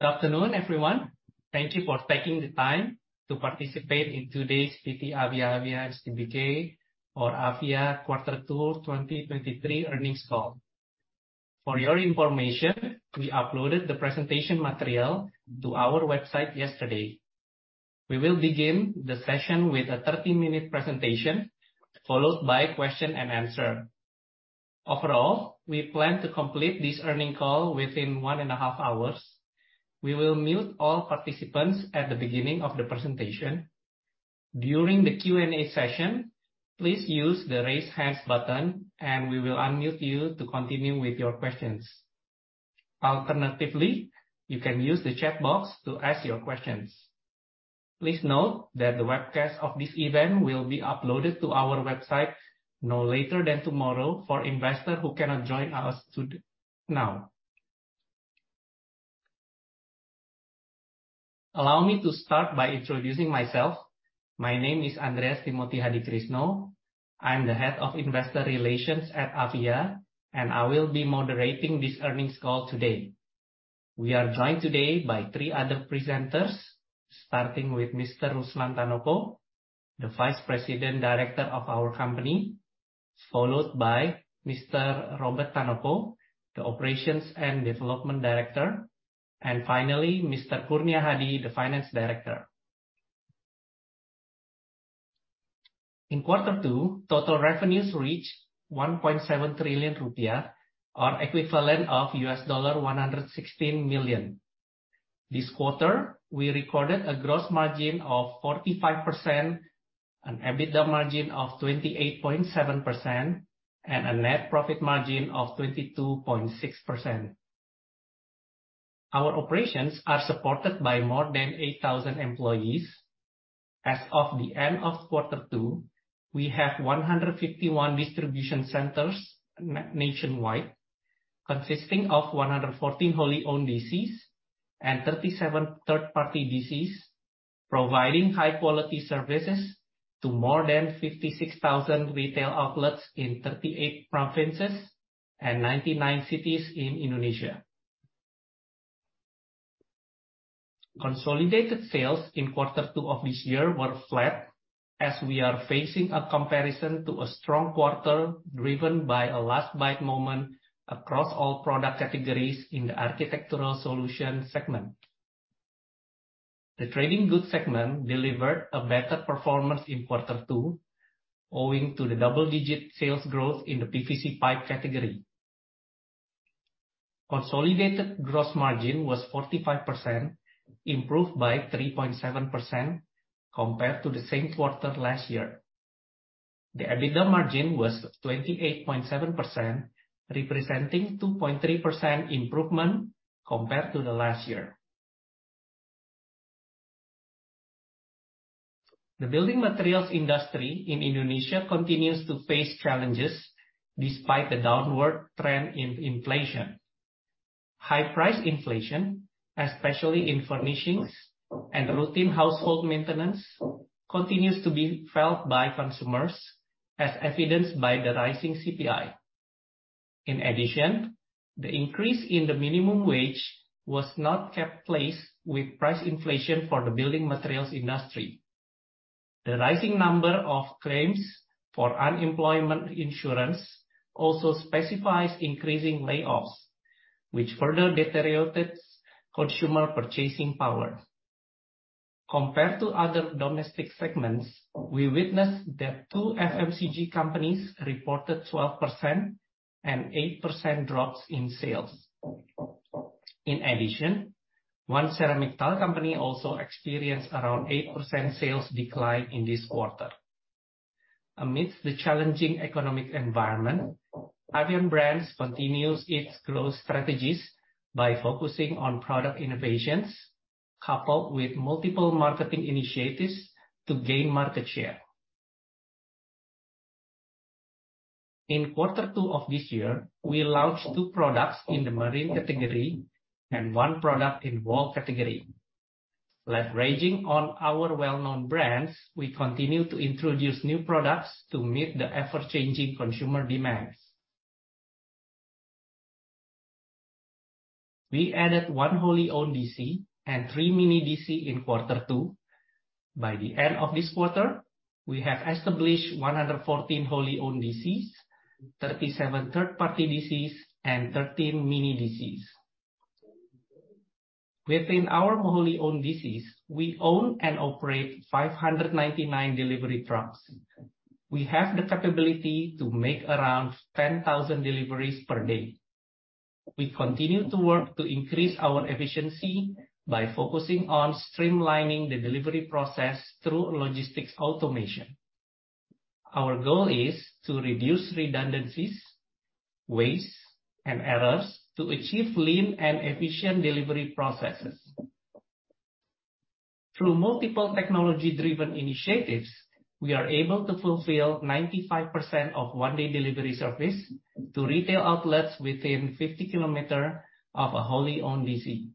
Good afternoon, everyone. Thank you for taking the time to participate in today's PT Avia Avian Tbk, or Avia quater two 2023 earnings call. For your information, we uploaded the presentation material to our website yesterday. We will begin the session with a 30-minute presentation, followed by question and answer. Overall, we plan to complete this earning call within 1.5 hours. We will mute all participants at the beginning of the presentation. During the Q&A session, please use the Raise Hands button, and we will unmute you to continue with your questions. Alternatively, you can use the chat box to ask your questions. Please note that the webcast of this event will be uploaded to our website no later than tomorrow for investors who cannot join us now. Allow me to start by introducing myself. My name is Andreas Timothy Hadikrisno. I'm the Head of Investor Relations at Avia, and I will be moderating this earnings call today. We are joined today by three other presenters, starting with Mr. Ruslan Tanoko, the Vice President Director of our company, followed by Mr. Robert Tanoko, the Operations and Development Director, and finally, Mr. Kurnia Hadi, the Finance Director. In quarter two, total revenues reached 1.7 trillion rupiah, or equivalent of $116 million. This quarter, we recorded a gross margin of 45%, an EBITDA margin of 28.7%, and a net profit margin of 22.6%. Our operations are supported by more than 8,000 employees. As of the end of quarter two, we have 151 distribution centers nationwide, consisting of 114 wholly owned D.C.s, and 37 third-party D.C.s, providing high quality services to more than 56,000 retail outlets in 38 provinces and 99 cities in Indonesia. Consolidated sales in quarter two of this year were flat, as we are facing a comparison to a strong quarter, driven by a last buy moment across all product categories in the architectural solution segment. The trading goods segment delivered a better performance in quarter two, owing to the double-digit sales growth in the PVC pipe category. Consolidated gross margin was 45%, improved by 3.7% compared to the same quarter last year. The EBITDA margin was 28.7%, representing 2.3% improvement compared to the last year. The building materials industry in Indonesia continues to face challenges despite the downward trend in inflation. High price inflation, especially in furnishings and routine household maintenance, continues to be felt by consumers, as evidenced by the rising CPI. In addition, the increase in the minimum wage was not kept place with price inflation for the building materials industry. The rising number of claims for unemployment insurance also specifies increasing layoffs, which further deteriorated consumer purchasing power. Compared to other domestic segments, we witnessed that two FMCG companies reported 12% and 8% drops in sales. In addition, one ceramic tile company also experienced around 8% sales decline in this quarter. Amidst the challenging economic environment, Avian Brands continues its growth strategies by focusing on product innovations, coupled with multiple marketing initiatives to gain market share. In quarter two of this year, we launched two products in the marine category and one product in wall category. Leveraging on our well-known brands, we continue to introduce new products to meet the ever-changing consumer demands. We added one wholly owned D.C.s and three mini D.C. in quarter two. By the end of this quarter, we have established 114 wholly owned D.C.s, 37 third-party D.C.s, and 13 mini D.C.s. Within our wholly owned D.C.s, we own and operate 599 delivery trucks. We have the capability to make around 10,000 deliveries per day. We continue to work to increase our efficiency by focusing on streamlining the delivery process through logistics automation. Our goal is to reduce redundancies, waste, and errors to achieve lean and efficient delivery processes. Through multiple technology-driven initiatives, we are able to fulfill 95% of one-day delivery service to retail outlets within 50 km of a wholly owned D.C.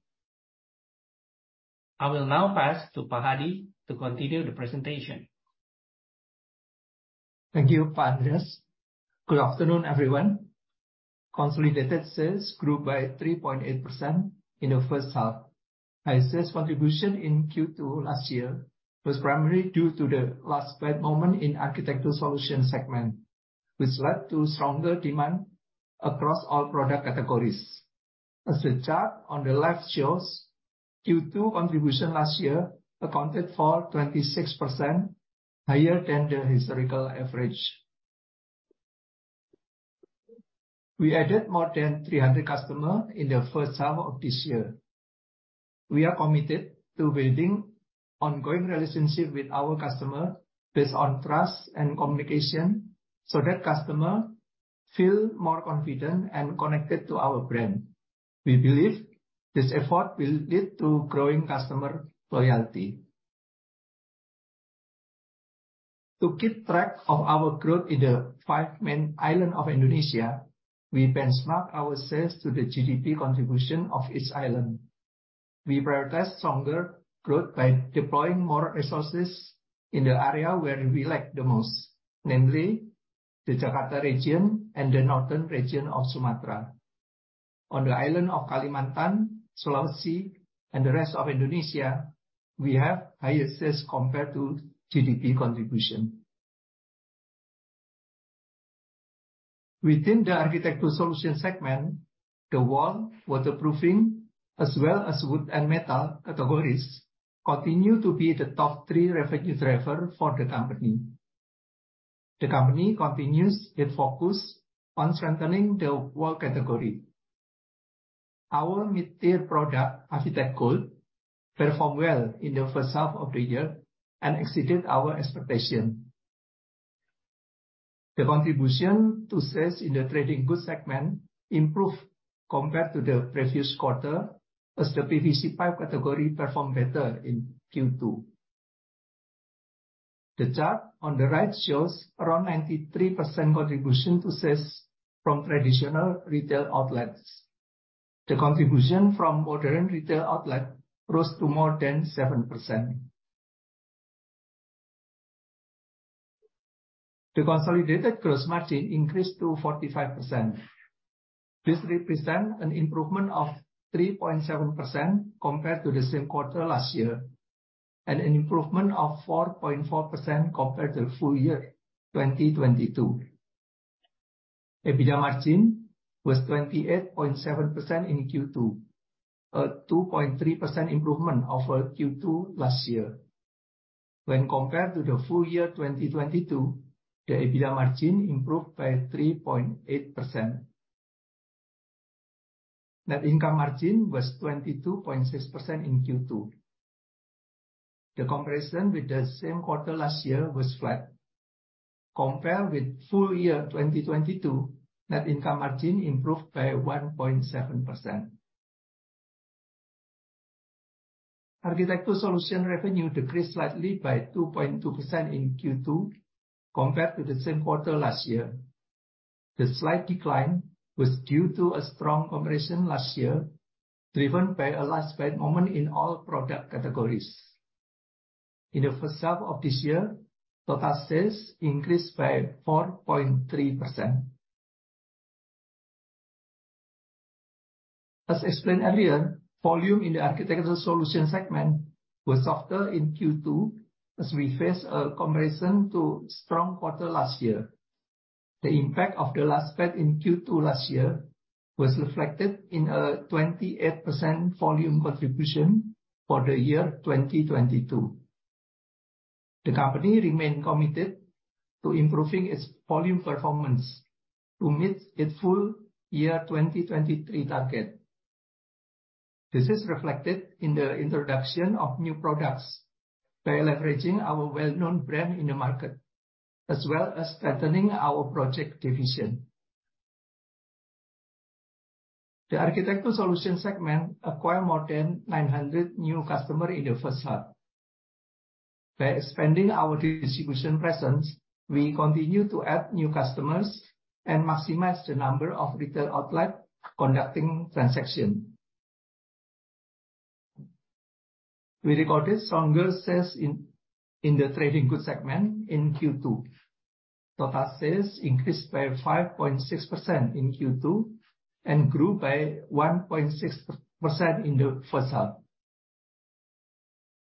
I will now pass to Pak Hadi to continue the presentation. Thank you, Pak Andreas. Good afternoon, everyone. Consolidated sales grew by 3.8% in the first half. High sales contribution in Q2 last year was primarily due to the last-buy moment in architectural solution segment, which led to stronger demand across all product categories. As the chart on the left shows, Q2 contribution last year accounted for 26% higher than the historical average. We added more than 300 customer in the first half of this year. We are committed to building ongoing relationship with our customer based on trust and communication, so that customer feel more confident and connected to our brand. We believe this effort will lead to growing customer loyalty. To keep track of our growth in the five main island of Indonesia, we benchmark our sales to the GDP contribution of each island. We prioritize stronger growth by deploying more resources in the area where we lack the most, namely the Jakarta region and the northern region of Sumatra. On the island of Kalimantan, Sulawesi, and the rest of Indonesia, we have higher sales compared to GDP contribution. Within the architectural solution segment, the wall, waterproofing, as well as wood and metal categories, continue to be the top three revenue driver for the company. The company continues its focus on strengthening the wall category. Our mid-tier product, Avitex Gold, performed well in the first half of the year and exceeded our expectation. The contribution to sales in the trading goods segment improved compared to the previous quarter, as the PVC pipe category performed better in Q2. The chart on the right shows around 93% contribution to sales from traditional retail outlets. The contribution from modern retail outlet rose to more than 7%. The consolidated gross margin increased to 45%. This represent an improvement of 3.7% compared to the same quarter last year, and an improvement of 4.4% compared to full year 2022. EBITDA margin was 28.7% in Q2, a 2.3% improvement over Q2 last year. When compared to the full year 2022, the EBITDA margin improved by 3.8%. Net income margin was 22.6% in Q2. The comparison with the same quarter last year was flat. Compared with full year 2022, net income margin improved by 1.7%. Architectural solution revenue decreased slightly by 2.2% in Q2 compared to the same quarter last year. The slight decline was due to a strong comparison last year, driven by a last-buy moment in all product categories. In the first half of this year, total sales increased by 4.3%. As explained earlier, volume in the architectural solution segment was softer in Q2, as we face a comparison to strong quarter last year. The impact of the last spread in Q2 last year was reflected in a 28% volume contribution for the 2022. The company remained committed to improving its volume performance to meet its full year 2023 target. This is reflected in the introduction of new products by leveraging our well-known brand in the market, as well as strengthening our project division. The architectural solution segment acquired more than 900 new customer in the first half. By expanding our distribution presence, we continue to add new customers and maximize the number of retail outlet conducting transaction. We recorded stronger sales in the trading goods segment in Q2. Total sales increased by 5.6% in Q2 and grew by 1.6% in the first half.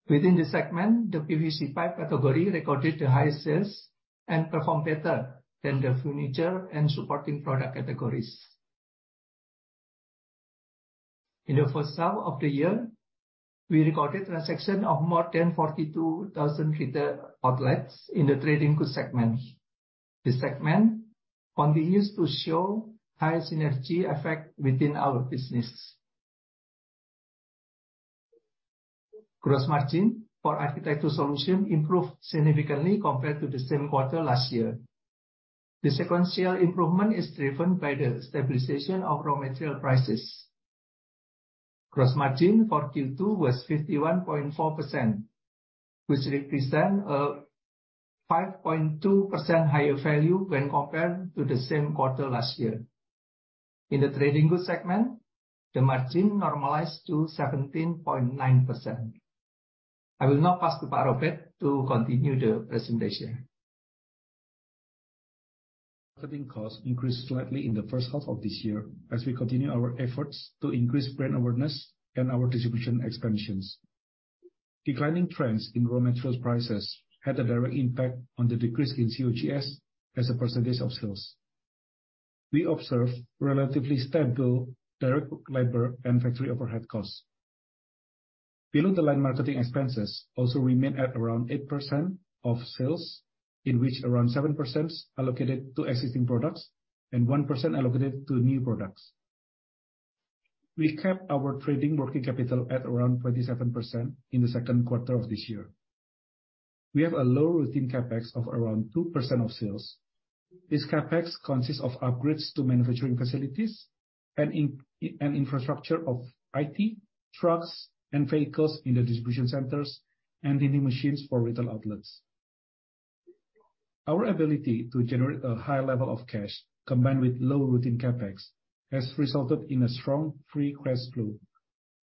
Within the segment, the PVC pipe category recorded the highest sales and performed better than the furniture and supporting product categories. In the first half of the year, we recorded transaction of more than 42,000 retail outlets in the trading goods segment. This segment continues to show high synergy effect within our business. Gross margin for architectural solution improved significantly compared to the same quarter last year. The sequential improvement is driven by the stabilization of raw material prices. Gross margin for Q2 was 51.4%, which represent a 5.2% higher value when compared to the same quarter last year. In the trading goods segment, the margin normalized to 17.9%. I will now pass to Pak Robert to continue the presentation. Marketing costs increased slightly in the first half of this year, as we continue our efforts to increase brand awareness and our distribution expansions. Declining trends in raw materials prices had a direct impact on the decrease in COGS as a percentage of sales. We observed relatively stable direct labor and factory overhead costs. Below-the-line marketing expenses also remained at around 8% of sales, in which around 7% allocated to existing products and 1% allocated to new products. We kept our trading working capital at around 27% in the second quarter of this year. We have a low routine CapEx of around 2% of sales. This CapEx consists of upgrades to manufacturing facilities and infrastructure of IT, trucks, and vehicles in the distribution centers, and in the machines for retail outlets. Our ability to generate a high level of cash, combined with low routine CapEx, has resulted in a strong, free cash flow,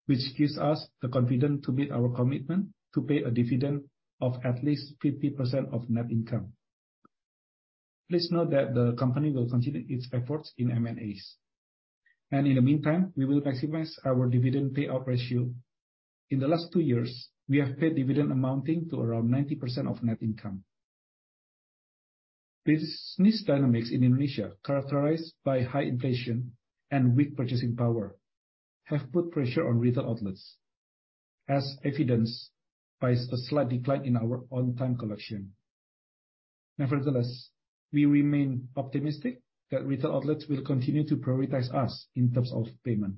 which gives us the confidence to meet our commitment to pay a dividend of at least 50% of net income. Please note that the company will continue its efforts in M&As, and in the meantime, we will maximize our dividend payout ratio. In the last two years, we have paid dividend amounting to around 90% of net income. Business dynamics in Indonesia, characterized by high inflation and weak purchasing power, have put pressure on retail outlets, as evidenced by a slight decline in our on-time collection. Nevertheless, we remain optimistic that retail outlets will continue to prioritize us in terms of payment.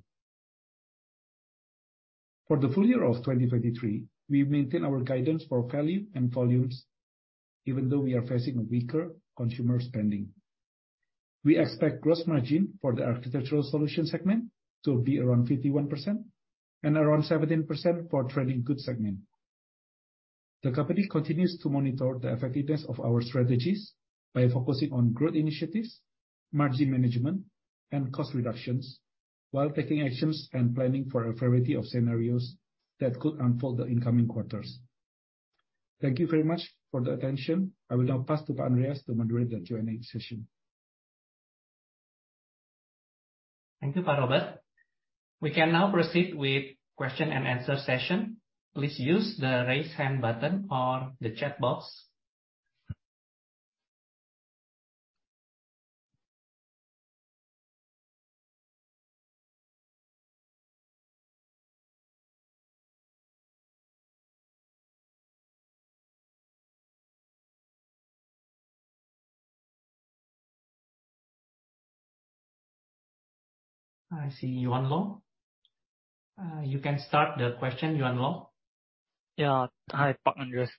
For the full year of 2023, we maintain our guidance for value and volumes, even though we are facing a weaker consumer spending. We expect gross margin for the architectural solution segment to be around 51% and around 17% for trading goods segment. The company continues to monitor the effectiveness of our strategies by focusing on growth initiatives, margin management, and cost reductions, while taking actions and planning for a variety of scenarios that could unfold in the incoming quarters. Thank you very much for the attention. I will now pass to Pak Andreas to moderate the Q&A session. Thank you, Pak Robert. We can now proceed with question and answer session. Please use the Raise Hand button or the chat box. I see Yuan Loh. You can start the question, Yuan Loh. Yeah. Hi, Pak Andreas,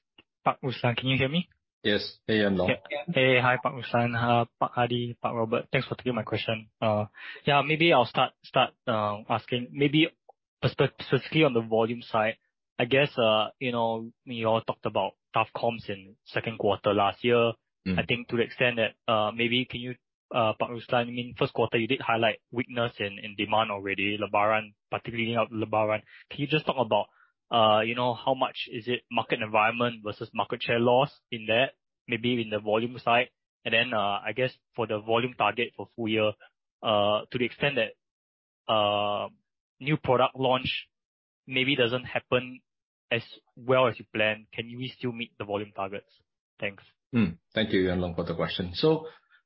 Pak Ruslan. Can you hear me? Yes. Hey, Yuan Loh. Hey. Hi, Pak Ruslan, Pak Hadi, Pak Robert. Thanks for taking my question. Yeah, maybe I'll start asking specifically on the volume side, I guess, you know, we all talked about tough comps in second quarter last year. Mm-hmm. I think to the extent that, maybe can you, Pak Ruslan, I mean, first quarter, you did highlight weakness in demand already, Lebaran, particularly out Lebaran. Can you just talk about, you know, how much is it market environment versus market share loss in there, maybe in the volume side? I guess for the volume target for full year, to the extent that, new product launch maybe doesn't happen as well as you planned, can we still meet the volume targets? Thanks. Thank you, Yuan Loh, for the question.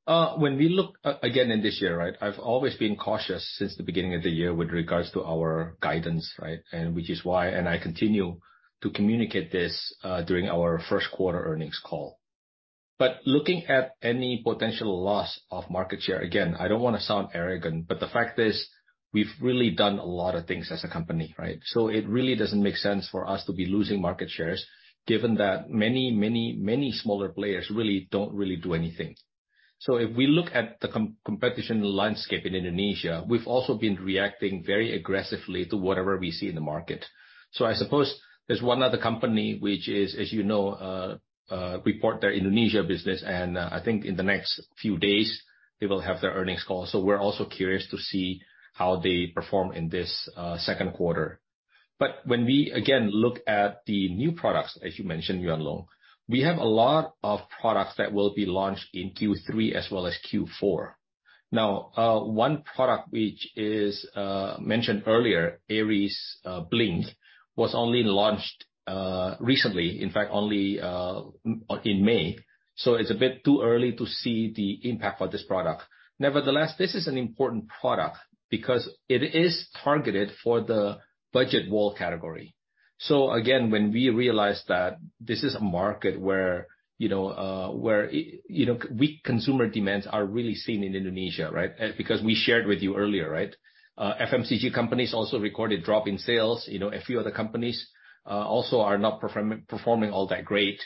When we look at again, in this year, right, I've always been cautious since the beginning of the year with regards to our guidance, right? Which is why, and I continue to communicate this during our first quarter earnings call. Looking at any potential loss of market share, again, I don't wanna sound arrogant, but the fact is, we've really done a lot of things as a company, right? It really doesn't make sense for us to be losing market shares, given that many, many, many smaller players really don't really do anything. If we look at the competition landscape in Indonesia, we've also been reacting very aggressively to whatever we see in the market. I suppose there's one other company, which is, as you know, report their Indonesia business, and I think in the next few days, they will have their earnings call. When we, again, look at the new products, as you mentioned, Yuan Loh, we have a lot of products that will be launched in Q3 as well as Q4. One product, which is mentioned earlier, Aries Bling, was only launched recently, in fact, only in May. It's a bit too early to see the impact for this product. Nevertheless, this is an important product because it is targeted for the budget wall category. Again, when we realized that this is a market where, you know, where, you know, weak consumer demands are really seen in Indonesia, right. Because we shared with you earlier, right. FMCG companies also recorded drop in sales. You know, a few other companies also are not performing all that great.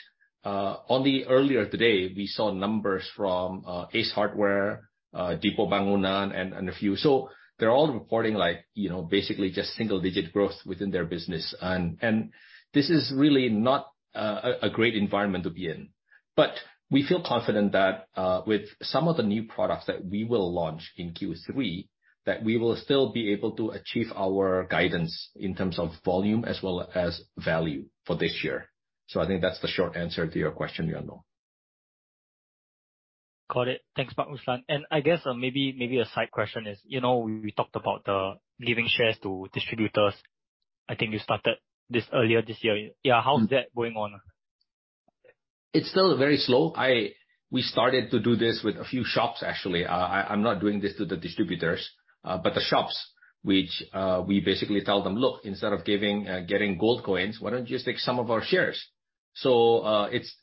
Earlier today, we saw numbers from Ace Hardware, Depo Bangunan, and a few. They're all reporting like, you know, basically just single-digit growth within their business. This is really not a great environment to be in. We feel confident that, with some of the new products that we will launch in Q3, that we will still be able to achieve our guidance in terms of volume as well as value for this year. I think that's the short answer to your question, Yuan Loh. Got it. Thanks, Pak Ruslan. I guess, maybe, maybe a side question is, you know, we talked about the giving shares to distributors. I think you started this earlier this year. Yeah, how is that going on? It's still very slow. We started to do this with a few shops actually. I'm not doing this to the distributors, but the shops, which we basically tell them, "Look, instead of giving, getting gold coins, why don't you just take some of our shares?" It's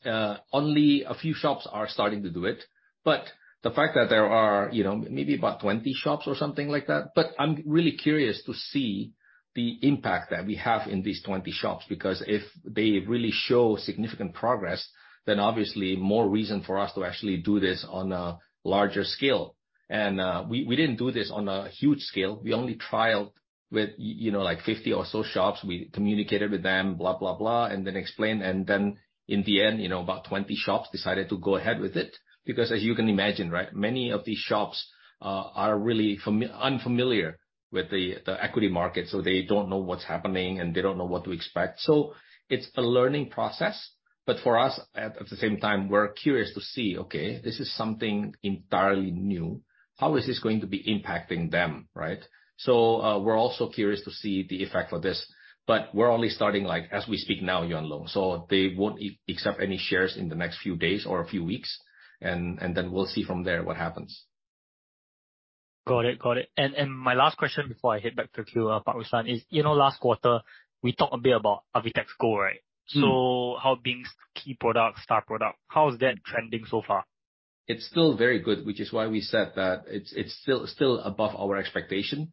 only a few shops are starting to do it, but the fact that there are, you know, maybe about 20 shops or something like that. But I'm really curious to see the impact that we have in these 20 shops, because if they really show significant progress, then obviously more reason for us to actually do this on a larger scale. We didn't do this on a huge scale. We only trialed with, you know, like, 50 or so shops. We communicated with them, blah, blah, blah, and then explained, and then in the end, you know, about 20 shops decided to go ahead with it. As you can imagine, right, many of these shops are really unfamiliar with the equity market, so they don't know what's happening, and they don't know what to expect. It's a learning process. For us, at the same time, we're curious to see, okay, this is something entirely new. How is this going to be impacting them, right? We're also curious to see the effect of this, but we're only starting, like, as we speak now, Yuan Loh. They won't accept any shares in the next few days or a few weeks, and then we'll see from there what happens. Got it. Got it. And my last question before I head back to queue, Pak Ruslan, is, you know, last quarter, we talked a bit about Avitex Gold, right? Mm. How being key product, star product, how is that trending so far? It's still very good, which is why we said that it's, it's still, still above our expectation.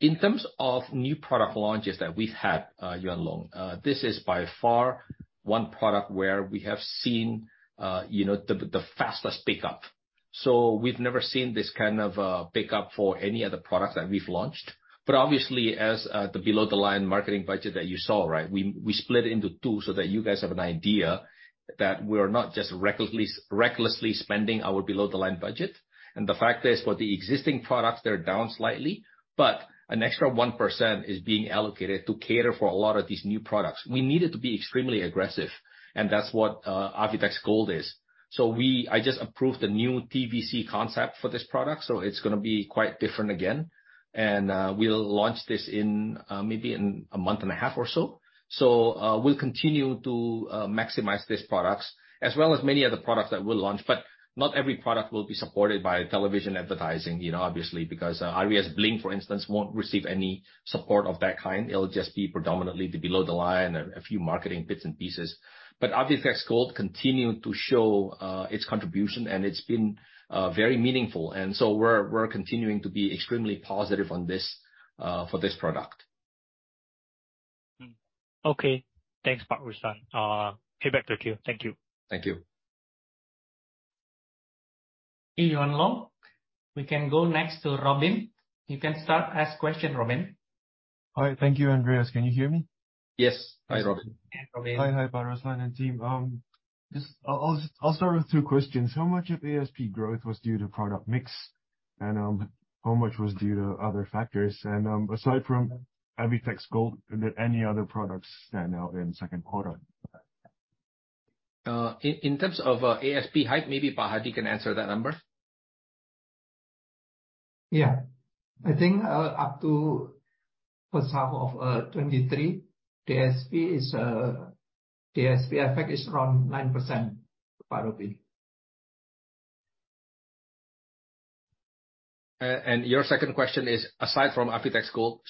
In terms of new product launches that we've had, Yuan Loh, this is by far one product where we have seen, you know, the fastest pickup. We've never seen this kind of pickup for any other product that we've launched. Obviously, as the below-the-line marketing budget that you saw, right, we split into two, so that you guys have an idea that we're not just recklessly, recklessly spending our below-the-line budget. The fact is, for the existing products, they're down slightly, but an extra 1% is being allocated to cater for a lot of these new products. We need it to be extremely aggressive, and that's what Avitex Gold is. We... I just approved a new TVC concept for this product, so it's gonna be quite different again. We'll launch this in, maybe in a month and a half or so. We'll continue to maximize these products, as well as many other products that we'll launch. Not every product will be supported by television advertising, you know, obviously, because Aries Bling, for instance, won't receive any support of that kind. It'll just be predominantly the below the line, a, a few marketing bits and pieces. Avitex Gold continued to show its contribution, and it's been very meaningful, and so we're continuing to be extremely positive on this for this product. Okay. Thanks, Pak Ruslan. Head back to queue. Thank you. Thank you. Hey, Yuan Loh. We can go next to Robin. You can start, ask question, Robin. Hi. Thank you, Andreas. Can you hear me? Yes. Hi, Robin. Hi, Robin. Hi. Hi, Pak Ruslan and team. just I'll, I'll, I'll start with two questions. How much of ASP growth was due to product mix, how much was due to other factors? Aside from Avitex Gold, did any other products stand out in second quarter? In, in terms of, ASP hike, maybe Pak Hadi can answer that number. Yeah. I think, up to first half of 2023, the ASP effect is around 9%, Pak Robin. Your second question is, aside from Avitex Gold.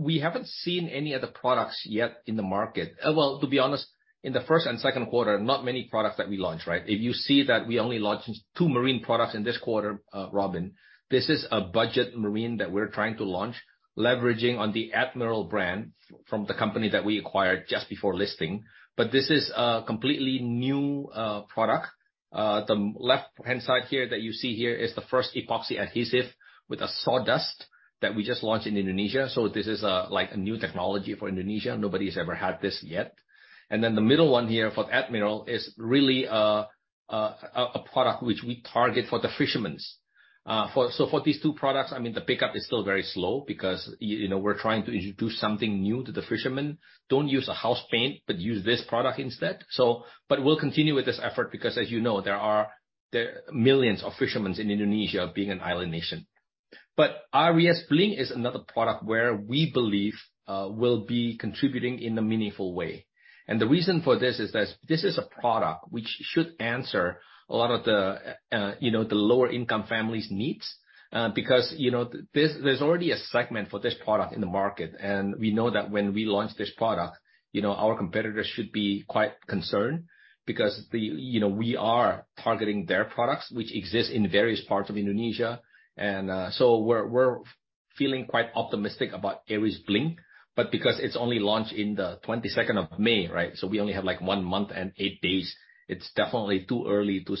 We haven't seen any other products yet in the market. Well, to be honest, in the first and second quarter, not many products that we launched, right? If you see that we only launched two marine products in this quarter, Robin, this is a budget marine that we're trying to launch, leveraging on the Admiral brand from the company that we acquired just before listing. This is a completely new product. The left-hand side here, that you see here, is the first epoxy adhesive with a sawdust that we just launched in Indonesia, so this is like a new technology for Indonesia. Nobody's ever had this yet. The middle one here for Admiral is really a product which we target for the fishermen. So for these two products, I mean, the pickup is still very slow because you know, we're trying to introduce something new to the fishermen. "Don't use a house paint, but use this product instead." But we'll continue with this effort because, as you know, there are, there are millions of fishermen in Indonesia being an island nation. Aries Bling is another product where we believe will be contributing in a meaningful way. The reason for this is that this is a product which should answer a lot of the, you know, the lower income families' needs. You know, there's, there's already a segment for this product in the market, and we know that when we launch this product, you know, our competitors should be quite concerned because the you know, we are targeting their products, which exist in various parts of Indonesia. So we're, we're feeling quite optimistic about Aries Bling, but because it's only launched in the 22nd of May, right? We only have, like, one month and eight days. It's definitely too early to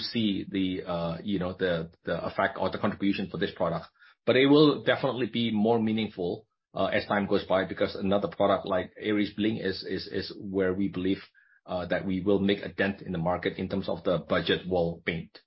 see the, you know, the effect or the contribution for this product. It will definitely be more meaningful as time goes by, because another product like Aries Bling is where we believe that we will make a dent in the market in terms of the budget wall paint.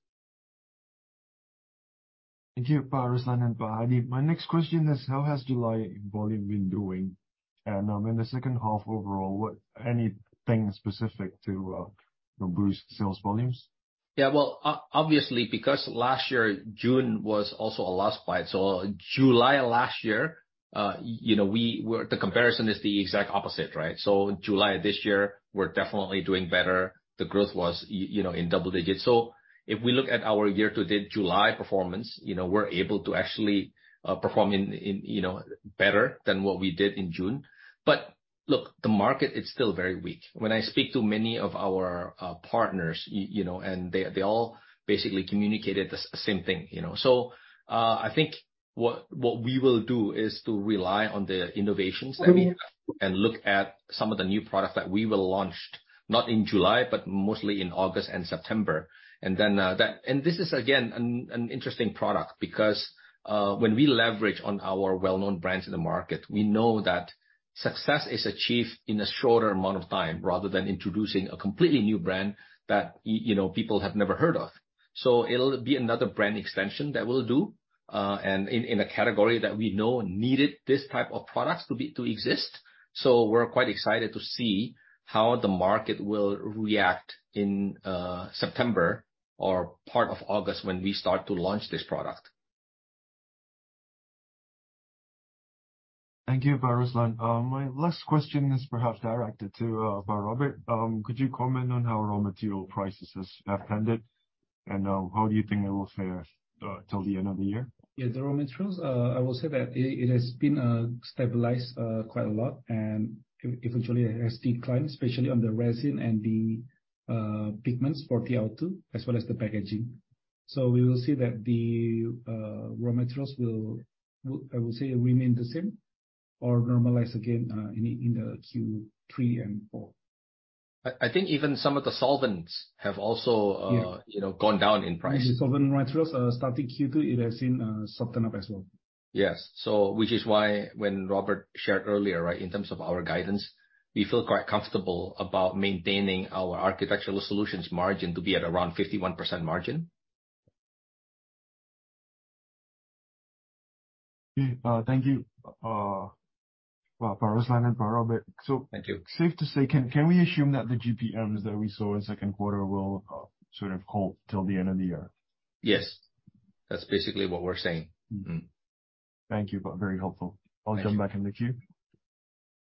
Thank you, Pak Ruslan and Pak Hadi. My next question is, how has July volume been doing? In the second half overall, anything specific to, you know, boost sales volumes? Yeah, well, obviously, because last year, June was also a lost fight. July last year, you know, we were, The comparison is the exact opposite, right? July this year, we're definitely doing better. The growth was, you know, in double digits. If we look at our year-to-date July performance, you know, we're able to actually perform, you know, better than what we did in June. Look, the market is still very weak. When I speak to many of our partners, you know, and they, they all basically communicated the same thing, you know. I think what, what we will do is to rely on the innovations that we have and look at some of the new products that we will launch, not in July, but mostly in August and September. This is again an interesting product, because when we leverage on our well-known brands in the market, we know that success is achieved in a shorter amount of time, rather than introducing a completely new brand that, you know, people have never heard of. It'll be another brand extension that we'll do, and in a category that we know needed this type of products to be, to exist. We're quite excited to see how the market will react in September or part of August when we start to launch this product. Thank you, Pak Ruslan. My last question is perhaps directed to Pak Robert. Could you comment on how raw material prices have tended, and how do you think they will fare till the end of the year? The raw materials, I will say that it, it has been stabilized quite a lot, and eventually it has declined, especially on the resin and the pigments for TiO2, as well as the packaging. We will see that the raw materials will, will, I will say, remain the same or normalize again in the Q3 and Q4. I, I think even some of the solvents have also... Yeah you know, gone down in price. The solvent materials, starting Q2, it has been, soften up as well. Yes. Which is why when Robert shared earlier, right, in terms of our guidance, we feel quite comfortable about maintaining our architectural solutions margin to be at around 51% margin. Thank you, Pak Ruslan and Pak Robert. Thank you. Safe to say, can, can we assume that the GPMs that we saw in the second quarter will, sort of hold till the end of the year? Yes. That's basically what we're saying. Mm-hmm. Thank you, Pak. Very helpful. Thank you. I'll jump back in the queue.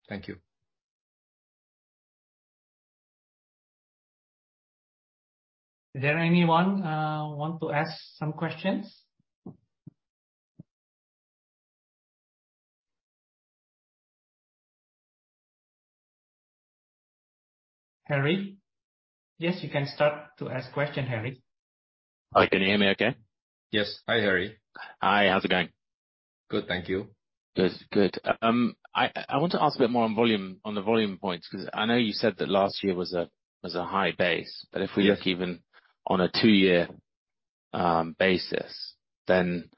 Thank you. Is there anyone want to ask some questions? Harry? Yes, you can start to ask question, Harry. Hi, can you hear me okay? Yes. Hi, Harry. Hi, how's it going? Good, thank you. Good, good. I, I want to ask a bit more on volume, on the volume points, because I know you said that last year was a, was a high base. Yeah. If we look even on a two-year basis, then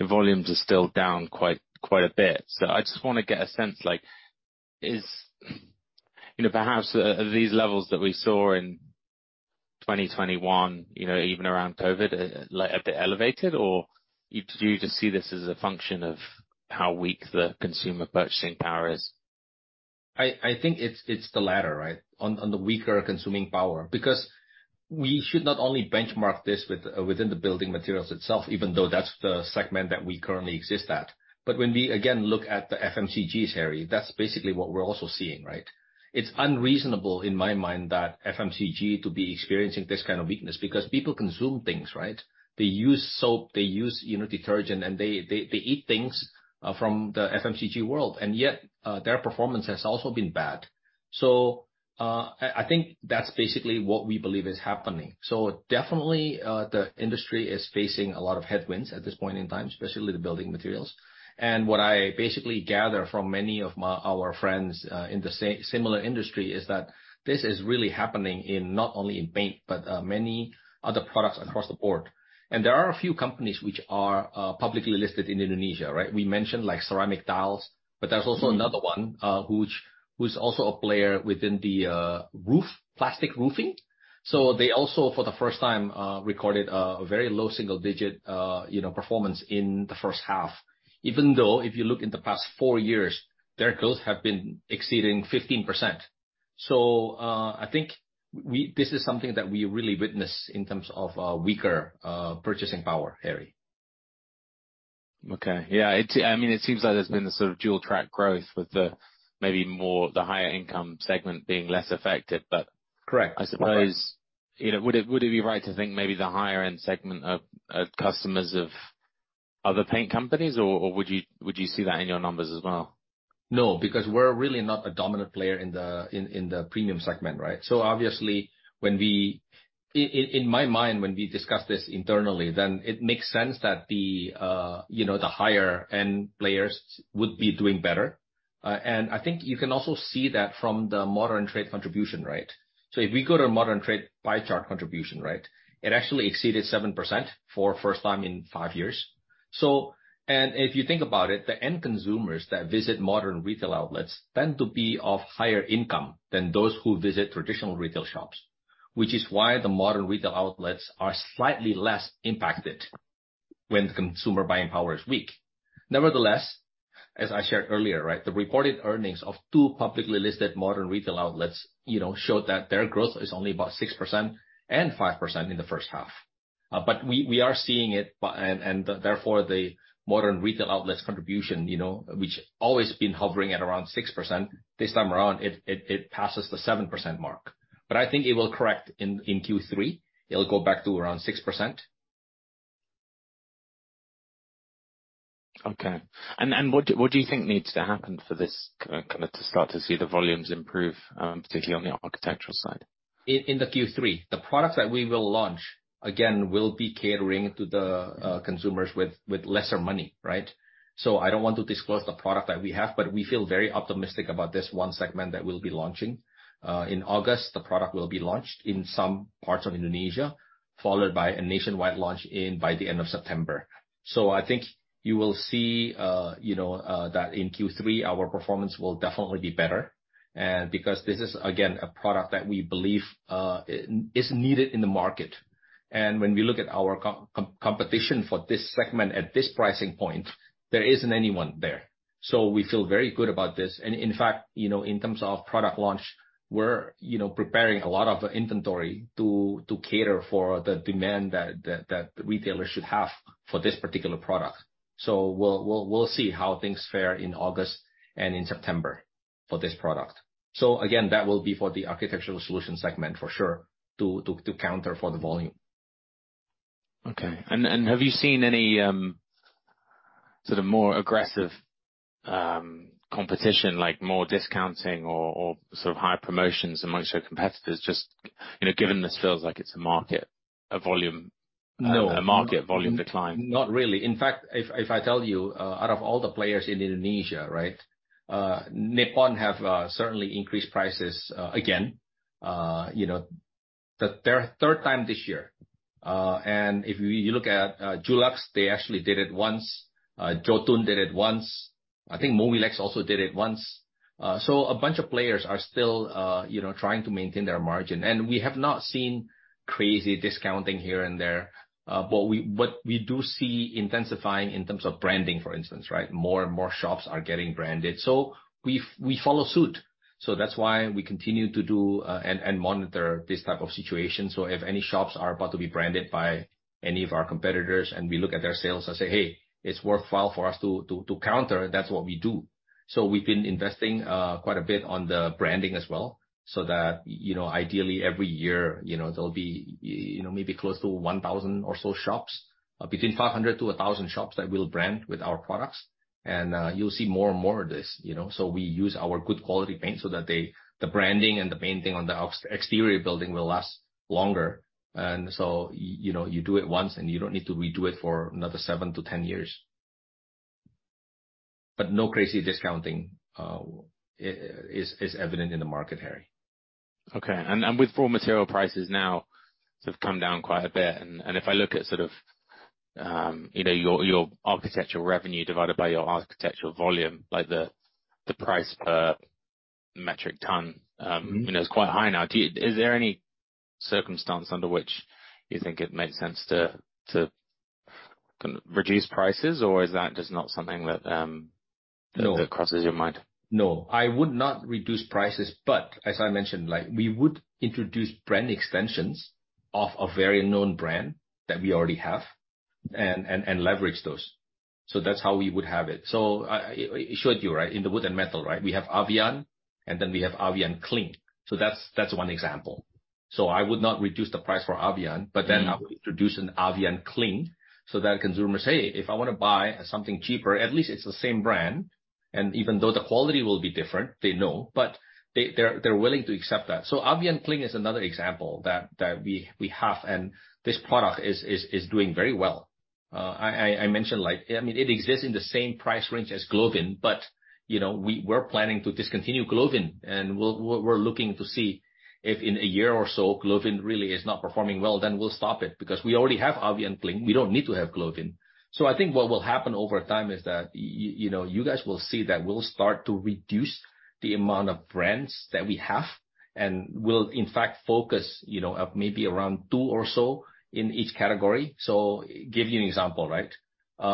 the volumes are still down quite, quite a bit. I just want to get a sense, like, is, you know, perhaps, these levels that we saw in 2021, you know, even around COVID, like a bit elevated? Do you just see this as a function of how weak the consumer purchasing power is? I, I think it's, it's the latter, right? On, on the weaker consuming power. We should not only benchmark this with, within the building materials itself, even though that's the segment that we currently exist at. When we, again, look at the FMCGs, Harry, that's basically what we're also seeing, right? It's unreasonable in my mind that FMCG to be experiencing this kind of weakness, because people consume things, right? They use soap, they use, you know, detergent, and they, they, they eat things, from the FMCG world, and yet, their performance has also been bad. I, I think that's basically what we believe is happening. Definitely, the industry is facing a lot of headwinds at this point in time, especially the building materials. What I basically gather from many of my, our friends, in the similar industry, is that this is really happening in, not only in paint, but many other products across the board. There are a few companies which are publicly listed in Indonesia, right? We mentioned, like, ceramic tiles, but there's also another one, which, who's also a player within the roof, plastic roofing. They also, for the first time, recorded a very low single digit, you know, performance in the first half. Even though, if you look in the past four years, their growth have been exceeding 15%. I think we, This is something that we really witness in terms of weaker purchasing power, Harry. Okay. Yeah, it, I mean, it seems like there's been a sort of dual track growth with the maybe more, the higher income segment being less affected, but- Correct. I suppose, you know, would it, would it be right to think maybe the higher end segment of customers of other paint companies, or, or would you, would you see that in your numbers as well? No, because we're really not a dominant player in the, in, in the premium segment, right? Obviously, when we in, in my mind, when we discuss this internally, then it makes sense that the, you know, the higher-end players would be doing better. I think you can also see that from the modern trade contribution, right? If we go to modern trade pie chart contribution, right, it actually exceeded 7% for first time in five years. If you think about it, the end consumers that visit modern retail outlets tend to be of higher income than those who visit traditional retail shops, which is why the modern retail outlets are slightly less impacted when the consumer buying power is weak. Nevertheless, as I shared earlier, right, the reported earnings of two publicly listed modern retail outlets, you know, showed that their growth is only about 6% and 5% in the first half. We, we are seeing it by. Therefore, the modern retail outlets contribution, you know, which always been hovering at around 6%, this time around, it, it, it passes the 7% mark. I think it will correct in, in Q3. It'll go back to around 6%. Okay. What, what do you think needs to happen for this, kind of, to start to see the volumes improve, particularly on the architectural side? In the Q3, the products that we will launch, again, will be catering to the consumers with, with lesser money, right? I don't want to disclose the product that we have, but we feel very optimistic about this one segment that we'll be launching. In August, the product will be launched in some parts of Indonesia, followed by a nationwide launch in by the end of September. I think you will see, you know, that in Q3, our performance will definitely be better, because this is, again, a product that we believe is needed in the market. And when we look at our competition for this segment at this pricing point, there isn't anyone there. We feel very good about this. In fact, you know, in terms of product launch, we're, you know, preparing a lot of inventory to, to cater for the demand that, that, that the retailer should have for this particular product. We'll, we'll, we'll see how things fare in August and in September for this product. Again, that will be for the architectural solution segment, for sure, to, to, to counter for the volume. Okay. Have you seen any, sort of more aggressive, competition, like more discounting or, or sort of higher promotions amongst your competitors, just, you know, given this feels like it's a market, a volume- No. A market volume decline? Not really. In fact, if, if I tell you, out of all the players in Indonesia, right, Nippon have, certainly increased prices, again, you know, the, their third time this year. If you look at, Dulux, they actually did it once. Jotun did it once. I think Mowilex also did it once. So a bunch of players are still, you know, trying to maintain their margin. We have not seen crazy discounting here and there, but we, but we do see intensifying in terms of branding, for instance, right? More and more shops are getting branded, so we, we follow suit. That's why we continue to do, and, and monitor this type of situation. If any shops are about to be branded by any of our competitors, and we look at their sales and say, "Hey, it's worthwhile for us to counter," that's what we do. We've been investing quite a bit on the branding as well, so that, you know, ideally, every year, you know, there'll be, you know, maybe close to 1,000 or so shops, between 500-1,000 shops that we'll brand with our products. You'll see more and more of this, you know. We use our good quality paint so that they, the branding and the painting on the exterior building will last longer. You know, you do it once, and you don't need to redo it for another seven to 10 years. No crazy discounting is evident in the market, Harry. Okay. And with raw material prices now sort of come down quite a bit, and, and if I look at sort of, you know, your, your architectural revenue divided by your architectural volume, like the, the price per metric ton. Mm-hmm. You know, it's quite high now. Is there any circumstance under which you think it makes sense to, to reduce prices, or is that just not something that… No. that crosses your mind? No. I would not reduce prices, but as I mentioned, like, we would introduce brand extensions of a very known brand that we already have and, and, and leverage those. That's how we would have it. I, I showed you, right, in the wood and metal, right, we have Avian, and then we have Avian Cling. That's, that's one example. I would not reduce the price for Avian- Mm-hmm. Then I would introduce an Avian Cling, so that consumers say, "If I want to buy something cheaper, at least it's the same brand." Even though the quality will be different, they know, but they, they're, they're willing to accept that. Avian Cling is another example that, that we, we have, and this product is, is, is doing very well. I mentioned, like, I mean, it exists in the same price range as Glovin, but, you know, we're planning to discontinue Glovin, and we're looking to see if in a year or so, Glovin really is not performing well, then we'll stop it, because we already have Avian Cling. We don't need to have Glovin. I think what will happen over time is that you know, you guys will see that we'll start to reduce the amount of brands that we have, and we'll in fact focus, you know, at maybe around two or so in each category. Give you an example, right?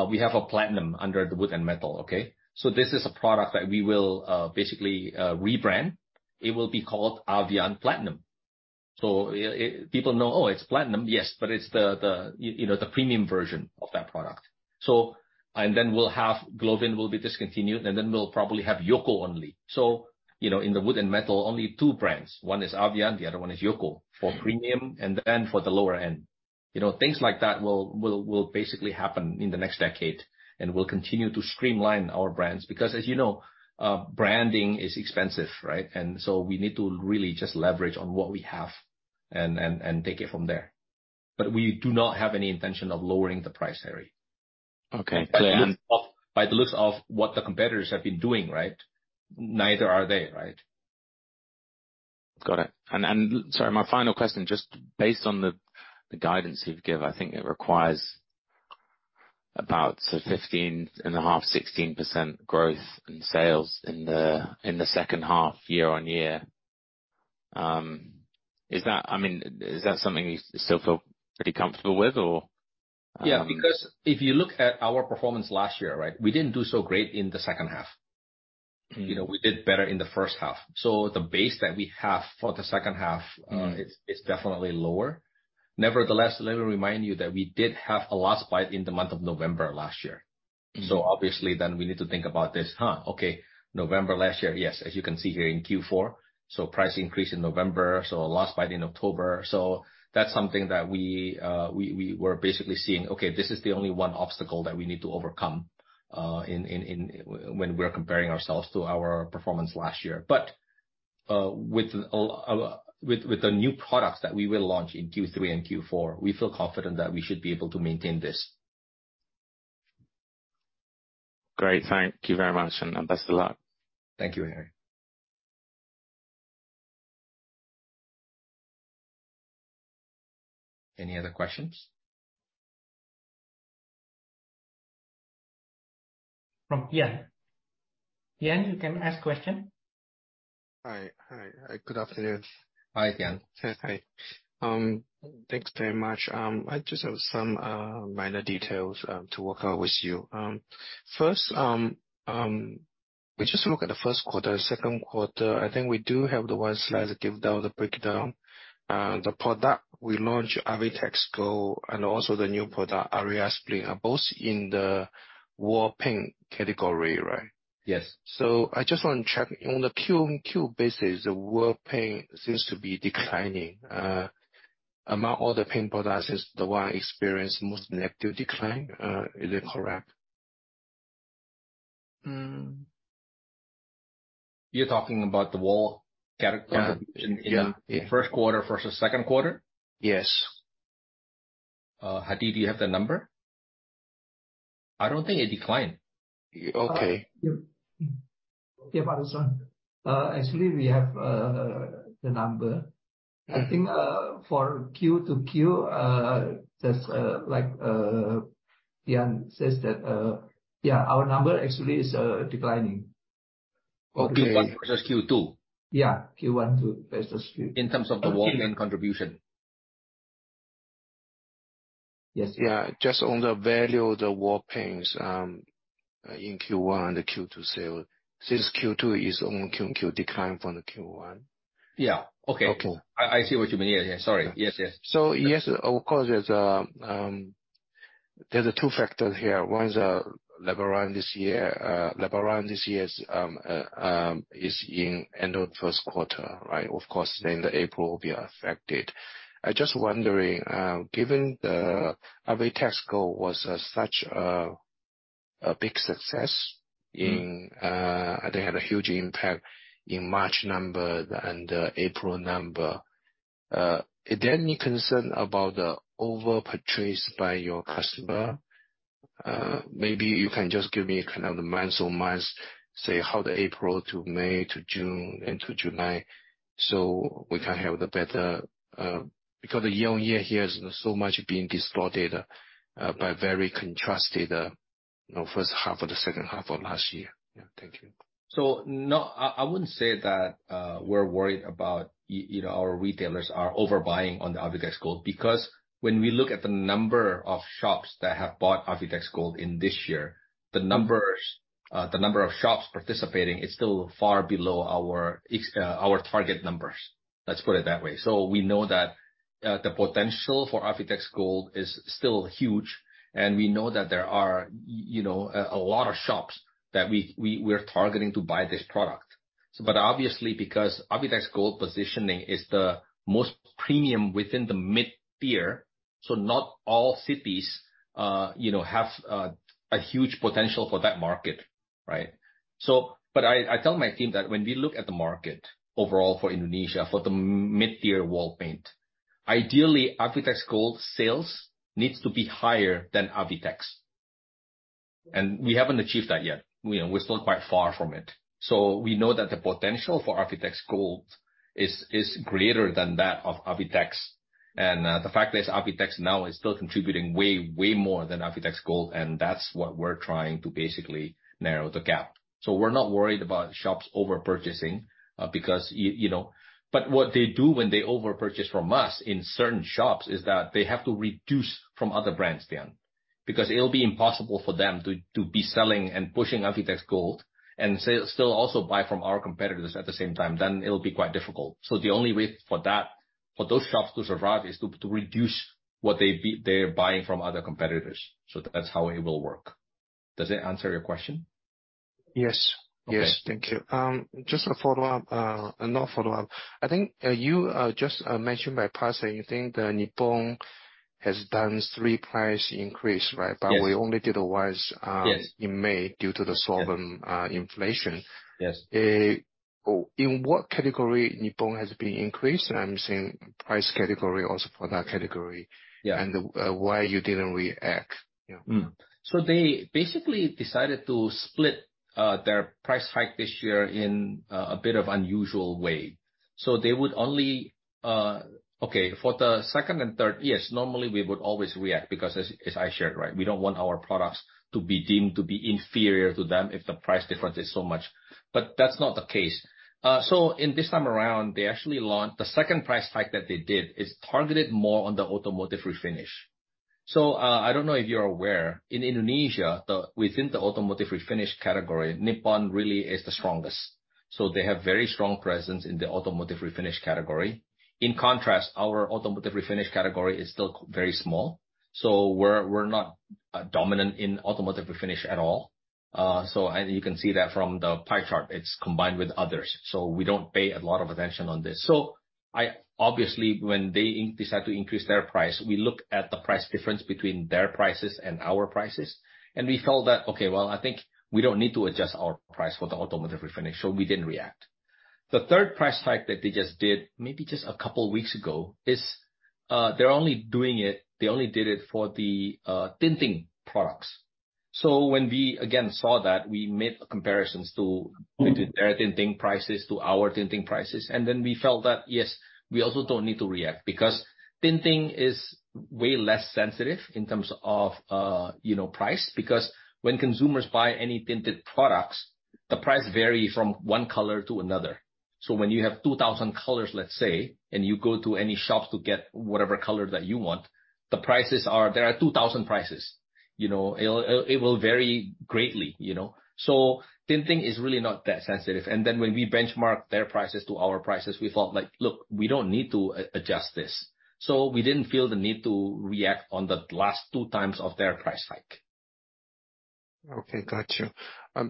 We have a Platinum under the wood and metal, okay? This is a product that we will basically rebrand. It will be called Avian Platinum. People know, oh, it's Platinum, yes, but it's the, you know, the premium version of that product. And then we'll have, Glovin will be discontinued, and then we'll probably have Yoko only. You know, in the wood and metal, only two brands. One is Avian, the other one is Yoko- Mm. -for premium, and then for the lower end. You know, things like that will, will, will basically happen in the next decade, and we'll continue to streamline our brands, because, as you know, branding is expensive, right? So we need to really just leverage on what we have and, and, and take it from there. We do not have any intention of lowering the price, Harry. Okay. By the looks of, by the looks of what the competitors have been doing, right, neither are they, right? Got it. Sorry, my final question, just based on the, the guidance you've given, I think it requires about 15.5%, 16% growth in sales in the, in the second half, year-on-year. Is that, I mean, is that something you still feel pretty comfortable with or. Yeah, because if you look at our performance last year, right? We didn't do so great in the second half. Mm. You know, we did better in the first half. The base that we have for the second half, Mm. is, is definitely lower. Nevertheless, let me remind you that we did have a loss pipe in the month of November last year. Mm. Obviously, then we need to think about this. Okay, November last year, yes, as you can see here in Q4, price increase in November, a last-buy in October. That's something that we, we, we were basically seeing. Okay, this is the only one obstacle that we need to overcome in when we're comparing ourselves to our performance last year. With, with, with the new products that we will launch in Q3 and Q4, we feel confident that we should be able to maintain this. Great. Thank you very much, and best of luck. Thank you, Harry. Any other questions? From Tian. Tian, you can ask question. Hi, hi, good afternoon. Hi, Tian. Hi, thanks very much. I just have some minor details to work out with you. First, we just look at the first quarter, second quarter. I think we do have the one slide that give down the breakdown. The product we launched, Avitex Gold, and also the new product, Aries Bling, are both in the wall paint category, right? Yes. I just want to check. On the QoQ basis, the wall paint seems to be declining. Among all the paint products, is the one experience most negative decline, is it correct? Mm. You're talking about the wall category? Yeah, yeah. In the first quarter versus second quarter? Yes. Hadi, do you have the number? I don't think it declined. Okay. Yep. Yep, [Pak Ruslan]. Actually, we have the number. Okay. I think, for Q2Q, just, like, Tian says that, yeah, our number actually is declining. Q1 versus Q2? Yeah, Q1 versus Q2. In terms of the wall paint contribution? Yes. Yeah, just on the value of the wall paints, in Q1 and the Q2 sale, since Q2 is on QoQ decline from the Q1. Yeah. Okay. Okay. I, I see what you mean. Yeah, yeah. Sorry. Yes, yes. Yes, of course, there are two factors here. One is Lebaran this year. Lebaran this year is in end of first quarter, right? Of course, then the April will be affected. I just wondering, given the Avitex Gold was such a big success in... Mm. They had a huge impact in March number and April number. Is there any concern about the over-purchase by your customer? Maybe you can just give me kind of the months or months, say, how the April to May to June and to July, so we can have the better. Because the year-over-year, here is so much being distorted, by very contrasted, you know, first half or the second half of last year. Yeah. Thank you. No, I, I wouldn't say that we're worried about you know, our retailers are overbuying on the Avitex Gold, because when we look at the number of shops that have bought Avitex Gold in this year, the number of shops participating is still far below our target numbers. Let's put it that way. We know that the potential for Avitex Gold is still huge, and we know that there are you know, a lot of shops that we, we, we're targeting to buy this product. But obviously, because Avitex Gold positioning is the most premium within the mid-tier, not all cities, you know, have a huge potential for that market, right? I, I tell my team that when we look at the market overall for Indonesia, for the mid-tier wall paint, ideally, Avitex Gold sales needs to be higher than Avitex. We haven't achieved that yet. You know, we're still quite far from it. We know that the potential for Avitex Gold is, is greater than that of Avitex. The fact is, Avitex now is still contributing way, way more than Avitex Gold, and that's what we're trying to basically narrow the gap. We're not worried about shops over-purchasing, because, you know. What they do when they over-purchase from us in certain shops is that they have to reduce from other brands, Tian. Because it'll be impossible for them to, to be selling and pushing Avitex Gold and still also buy from our competitors at the same time. It'll be quite difficult. The only way for that, for those shops to survive is to, to reduce what they're buying from other competitors. That's how it will work. Does that answer your question? Yes. Okay. Yes, thank you. Just a follow-up, another follow-up. I think you just mentioned by passing, you think the Nippon has done three price increase, right? Yes. We only did once. Yes... in May due to the solvent, inflation. Yes. Oh, in what category Nippon has been increased? I'm saying price category or for that category. Yeah. Why you didn't react? Yeah. They basically decided to split their price hike this year in a bit of unusual way. They would only, Okay, for the second and third, yes, normally we would always react because as, as I shared, right, we don't want our products to be deemed to be inferior to them if the price difference is so much. That's not the case. In this time around, they actually launched, the second price hike that they did is targeted more on the automotive refinish. I don't know if you're aware, in Indonesia, the, within the automotive refinish category, Nippon really is the strongest. They have very strong presence in the automotive refinish category. In contrast, our automotive refinish category is still very small, we're not dominant in automotive refinish at all. You can see that from the pie chart. It's combined with others, so we don't pay a lot of attention on this. Obviously, when they decide to increase their price, we look at the price difference between their prices and our prices, and we felt that, okay, well, I think we don't need to adjust our price for the automotive refinish, so we didn't react. The third price hike that they just did, maybe just a couple weeks ago, is, they're only doing it, they only did it for the tinting products. When we, again, saw that, we made comparisons. Mm Their tinting prices to our tinting prices. We felt that, yes, we also don't need to react. Tinting is way less sensitive in terms of, you know, price, because when consumers buy any tinted products, the price vary from one color to another. When you have 2,000 colors, let's say, and you go to any shop to get whatever color that you want, the prices are. There are 2,000 prices. You know, it'll, it will vary greatly, you know? Tinting is really not that sensitive. When we benchmark their prices to our prices, we thought, like: Look, we don't need to adjust this. We didn't feel the need to react on the last two times of their price hike. Okay, got you.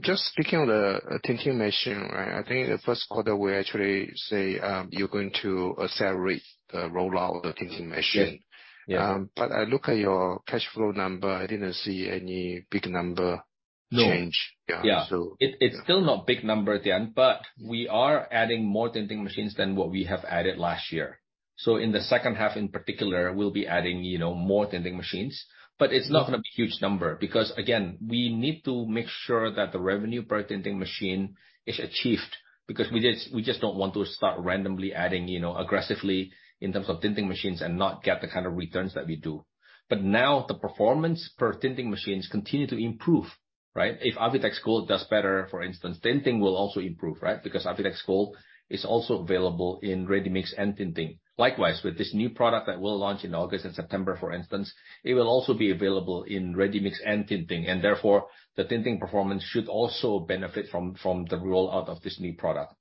Just speaking on the tinting machine, right? I think in the first quarter, we actually say, you're going to accelerate the rollout of the tinting machine. Yeah, yeah. I look at your cash flow number, I didn't see any big number. No change. Yeah, so- Yeah. It, it's still not big number at the end, but we are adding more tinting machines than what we have added last year. In the second half, in particular, we'll be adding, you know, more tinting machines. It's not gonna be huge number, because, again, we need to make sure that the revenue per tinting machine is achieved, because we just, we just don't want to start randomly adding, you know, aggressively in terms of tinting machines and not get the kind of returns that we do. Now, the performance per tinting machines continue to improve, right? If Avitex Gold does better, for instance, tinting will also improve, right? Because Avitex Gold is also available in ready-mix and tinting. Likewise, with this new product that we'll launch in August and September, for instance, it will also be available in ready-mix and tinting, and therefore, the tinting performance should also benefit from, from the rollout of this new product.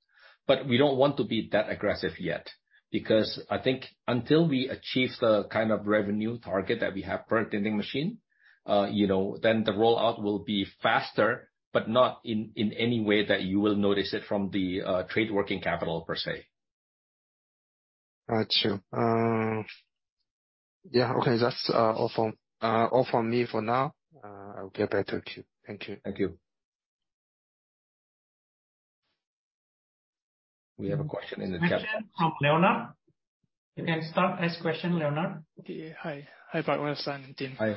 We don't want to be that aggressive yet, because I think until we achieve the kind of revenue target that we have per tinting machine, you know, then the rollout will be faster, but not in, in any way that you will notice it from the trade working capital per se. Got you. Yeah, okay, that's all from all from me for now. I'll get back to you. Thank you. Thank you. We have a question in the chat. From Leonard. You can start, ask question, Leonard. Okay. Hi. Hi, Pak Ruslan and team. Hi.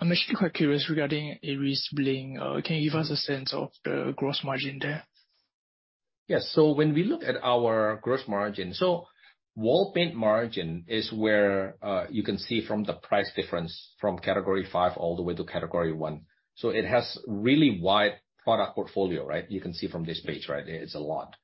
I'm actually quite curious regarding Aries Bling. Can you give us a sense of the gross margin there? Yes. When we look at our gross margin. Wall paint margin is where, you can see from the price difference from Category five all the way to Category one, it has really wide product portfolio, right? You can see from this page, right? It's a lot.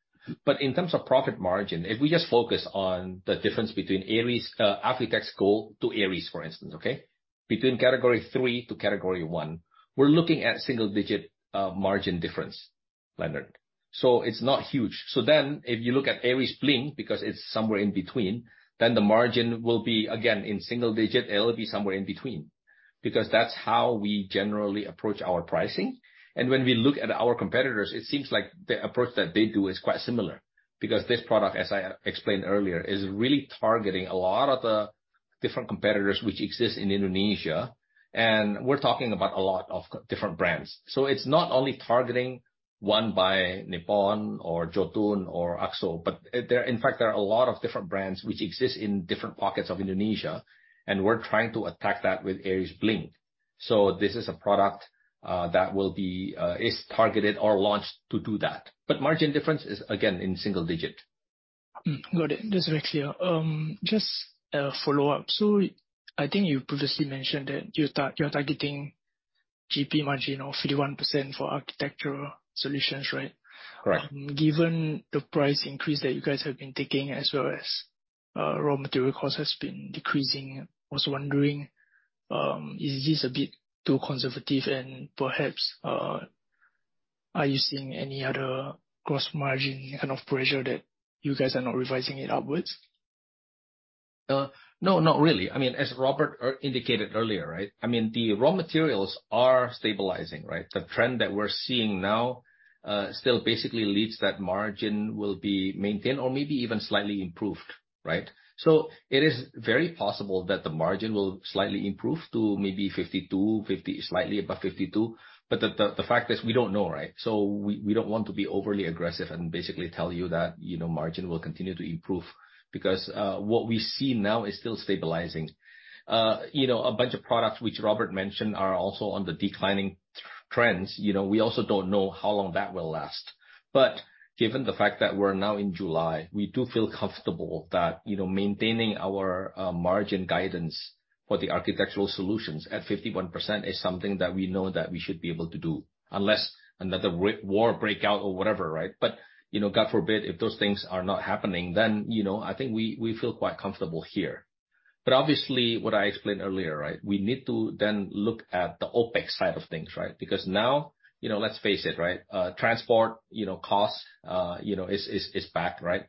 In terms of profit margin, if we just focus on the difference between Aries, Avitex Gold to Aries, for instance, okay? Between Category three to Category one, we're looking at single digit margin difference, Leonard. It's not huge. If you look at Aries Bling, because it's somewhere in between, then the margin will be, again, in single digit. It'll be somewhere in between. That's how we generally approach our pricing, and when we look at our competitors, it seems like the approach that they do is quite similar. This product, as I explained earlier, is really targeting a lot of the different competitors which exist in Indonesia, and we're talking about a lot of different brands. It's not only targeting one by Nippon or Jotun or Akzo, but, in fact, there are a lot of different brands which exist in different pockets of Indonesia, and we're trying to attack that with Aries Bling. This is a product that will be is targeted or launched to do that, but margin difference is again, in single digit. Mm, got it. That's very clear. Just a follow-up. I think you previously mentioned that you're targeting GP margin of 51% for architectural solutions, right? Right. Given the price increase that you guys have been taking, as well as, raw material costs has been decreasing, I was wondering, is this a bit too conservative and perhaps, are you seeing any other gross margin kind of pressure that you guys are not revising it upwards? No, not really. I mean, as Robert indicated earlier, right? I mean, the raw materials are stabilizing, right? The trend that we're seeing now still basically leads that margin will be maintained or maybe even slightly improved, right? It is very possible that the margin will slightly improve to maybe 52%, 50%, slightly above 52%. The, the, the fact is, we don't know, right? We, we don't want to be overly aggressive and basically tell you that, you know, margin will continue to improve, because what we see now is still stabilizing. You know, a bunch of products which Robert mentioned are also on the declining trends. You know, we also don't know how long that will last. Given the fact that we're now in July, we do feel comfortable that, you know, maintaining our margin guidance for the architectural solutions at 51% is something that we know that we should be able to do, unless another war break out or whatever, right? You know, God forbid, if those things are not happening, then, you know, I think we, we feel quite comfortable here. Obviously, what I explained earlier, right? We need to then look at the OpEx side of things, right? Because now, you know, let's face it, right, transport, you know, costs, you know, is, is, is back, right?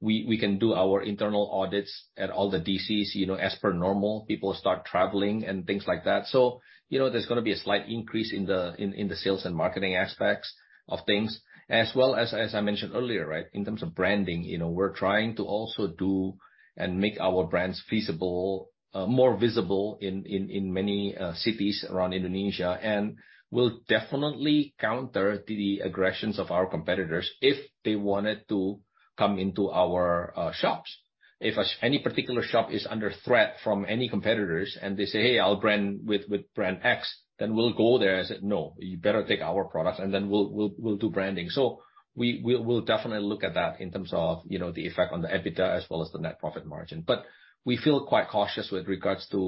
We, we can do our internal audits at all the D.C.s, you know, as per normal. People start traveling and things like that. You know, there's gonna be a slight increase in the sales and marketing aspects of things. As well as, as I mentioned earlier, right, in terms of branding, you know, we're trying to also do and make our brands feasible, more visible in many cities around Indonesia, and we'll definitely counter the aggressions of our competitors if they wanted to come into our shops. If as any particular shop is under threat from any competitors, and they say, "Hey, I'll brand with, with brand X," then we'll go there and say, "No, you better take our products," and then we'll, we'll, we'll do branding. We'll, we'll definitely look at that in terms of, you know, the effect on the EBITDA as well as the net profit margin. We feel quite cautious with regards to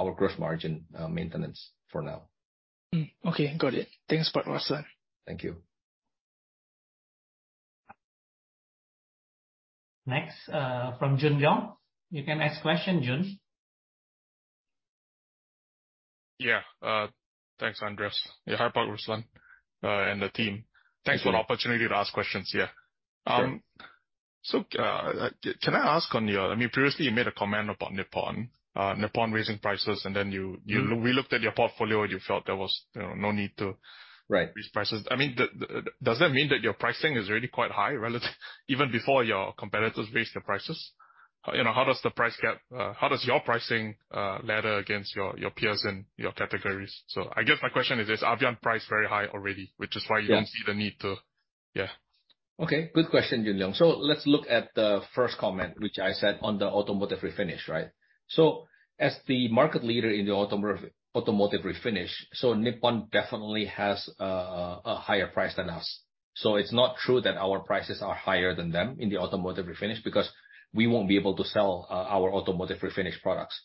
our growth margin maintenance for now. Hmm. Okay. Got it. Thanks, Pak Ruslan. Thank you. Next, from Jun Yong. You can ask question, Jun. Yeah. Thanks, Andreas. Yeah, hi, Pak Ruslan, and the team. Mm-hmm. Thanks for the opportunity to ask questions here. Can I ask on your, I mean, previously, you made a comment about Nippon, Nippon raising prices, and then you... Mm. we looked at your portfolio, and you felt there was, you know, no need to... Right - raise prices. I mean, the, the, does that mean that your pricing is already quite high, relative... even before your competitors raised their prices? You know, how does the price gap... how does your pricing ladder against your, your peers and your categories? So I guess my question is this: Are Avian price very high already, which is why-? Yeah you don't see the need to... Yeah. Okay, good question, Jun Yong. Let's look at the first comment, which I said on the automotive refinish, right? As the market leader in the automotive, automotive refinish, so Nippon definitely has a, a, a higher price than us. It's not true that our prices are higher than them in the automotive refinish, because we won't be able to sell our automotive refinish products.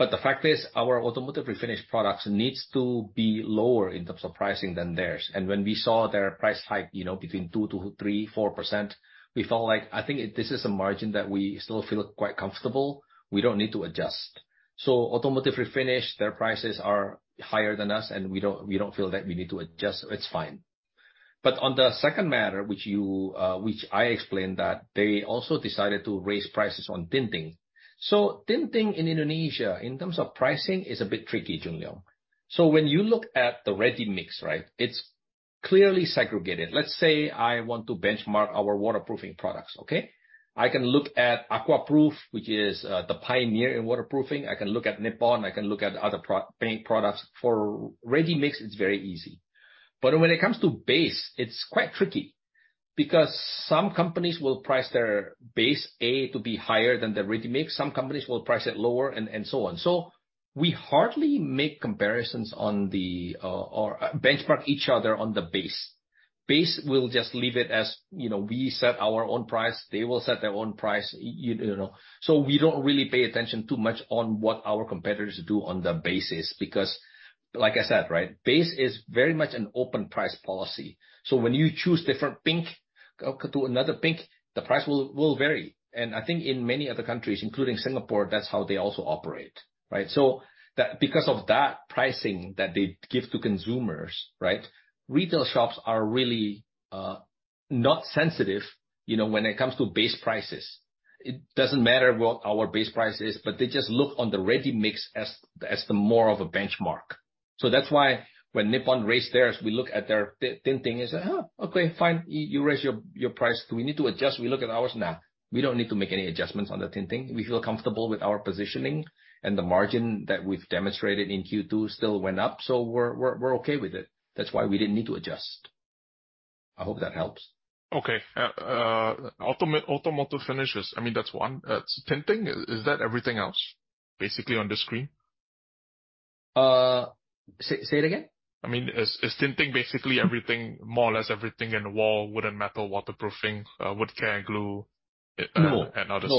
The fact is, our automotive refinish products needs to be lower in terms of pricing than theirs. When we saw their price hike, you know, between 2%-3%, 4%, we felt like, I think this is a margin that we still feel quite comfortable. We don't need to adjust. Automotive refinish, their prices are higher than us, and we don't, we don't feel that we need to adjust. It's fine. On the second matter, which you, which I explained, that they also decided to raise prices on tinting. Tinting in Indonesia, in terms of pricing, is a bit tricky, Jun Yong. When you look at the ready-mix, right? It's clearly segregated. Let's say I want to benchmark our waterproofing products, okay? I can look at Aquaproof, which is the pioneer in waterproofing. I can look at Nippon. I can look at other pro- paint products. For ready-mix, it's very easy. When it comes to base, it's quite tricky because some companies will price their base, A, to be higher than the ready-mix. Some companies will price it lower, and, and so on. We hardly make comparisons on the or benchmark each other on the base. Base, we'll just leave it as, you know, we set our own price, they will set their own price, you know. We don't really pay attention too much on what our competitors do on the bases, because like I said, right, base is very much an open price policy. When you choose different paint to another paint, the price will vary. I think in many other countries, including Singapore, that's how they also operate, right? That- because of that pricing that they give to consumers, right, retail shops are really not sensitive, you know, when it comes to base prices. It doesn't matter what our base price is, but they just look on the ready-mix as the more of a benchmark. That's why when Nippon raised theirs, we look at their tinting and say, "Oh, okay, fine. You, you raised your, your price. Do we need to adjust?" We look at ours. Nah, we don't need to make any adjustments on the tinting. We feel comfortable with our positioning, and the margin that we've demonstrated in Q2 still went up, so we're, we're, we're okay with it. That's why we didn't need to adjust. I hope that helps. Okay. automotive finishes, I mean, that's one. tinting, is, is that everything else, basically, on the screen? Say, say it again? I mean, is, is tinting basically everything, more or less everything in the wall, wood and metal, waterproofing, wood care, glue. No Others?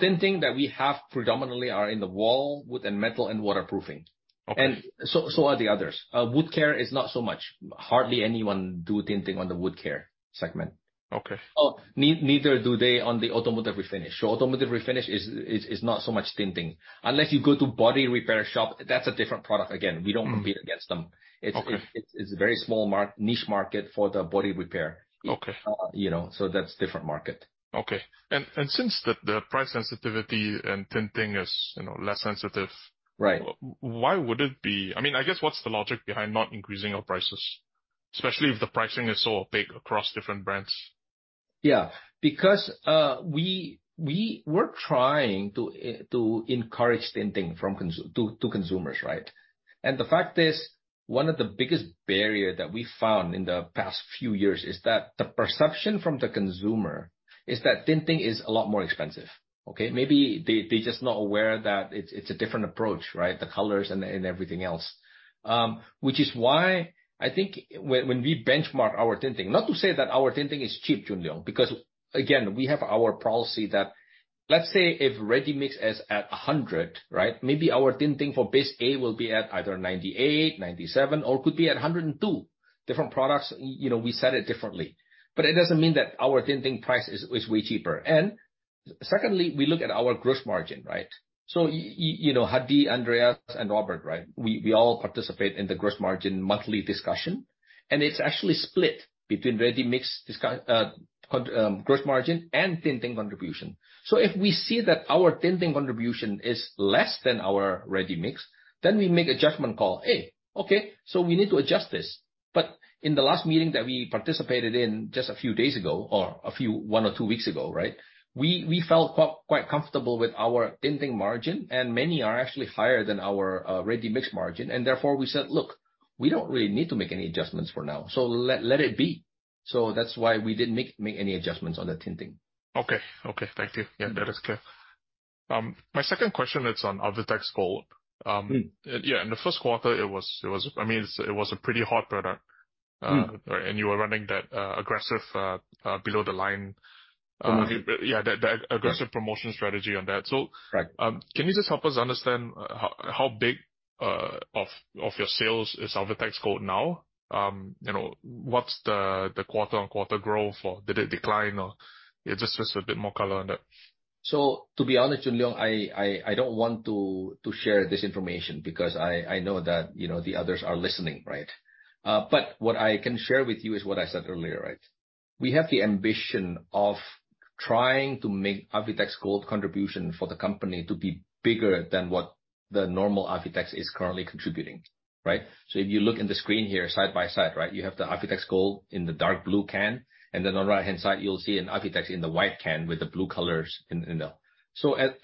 Tinting that we have predominantly are in the wall, wood and metal, and waterproofing. Okay. So, so are the others. Wood care is not so much. Hardly anyone do tinting on the wood care segment. Okay. Oh, neither do they on the automotive refinish. Automotive refinish is not so much tinting. Unless you go to body repair shop, that's a different product. Again, we don't. Mm-hmm Compete against them. Okay. It's a very small niche market for the body repair. Okay. You know, that's different market. Okay. Since the price sensitivity and tinting is, you know, less sensitive. Right. Why would it be, I mean, I guess, what 's the logic behind not increasing your prices, especially if the pricing is so big across different brands? Yeah. Because we we're trying to encourage tinting from to consumers, right? The fact is, one of the biggest barrier that we found in the past few years is that the perception from the consumer is that tinting is a lot more expensive, okay? Maybe they, they're just not aware that it's, it's a different approach, right? The colors and, and everything else. Which is why I think when, when we benchmark our tinting, not to say that our tinting is cheap, Jun Yong, because, again, we have our policy that, let's say, if ready-mix is at 100, right? Maybe our tinting for base A will be at either 98, 97, or could be at 102. Different products, you know, we set it differently. It doesn't mean that our tinting price is, is way cheaper. Secondly, we look at our gross margin, right? You know, Hadi, Andreas, and Robert, right? We all participate in the gross margin monthly discussion, and it's actually split between ready-mix, gross margin and tinting contribution. If we see that our tinting contribution is less than our ready-mix, then we make a judgment call, "Hey, okay, so we need to adjust this." In the last meeting that we participated in, just a few days ago or a few, one or two weeks ago, right? We felt quite comfortable with our tinting margin, and many are actually higher than our ready-mix margin, and therefore, we said: Look, we don't really need to make any adjustments for now, so let it be. That's why we didn't make any adjustments on the tinting. Okay, okay. Thank you. Yeah. Yeah, that is clear. My second question is on Avitex Gold. Mm. Yeah, in the first quarter, it was, it was, I mean, it's, it was a pretty hot product. Mm. You were running that, aggressive, below the line- Mm. yeah, the, the aggressive- Yeah... promotion strategy on that. Right... can you just help us understand how big of your sales is Avitex Gold now? You know, what's the quarter-on-quarter growth, or did it decline, or yeah, just a bit more color on that? To be honest, Jun Yong, I don't want to share this information because I know that, you know, the others are listening, right? What I can share with you is what I said earlier, right? We have the ambition of trying to make Avitex Gold contribution for the company to be bigger than what the normal Avitex is currently contributing, right? If you look in the screen here, side by side, right, you have the Avitex Gold in the dark blue can, and then on the right-hand side, you'll see an Avitex in the white can with the blue colors.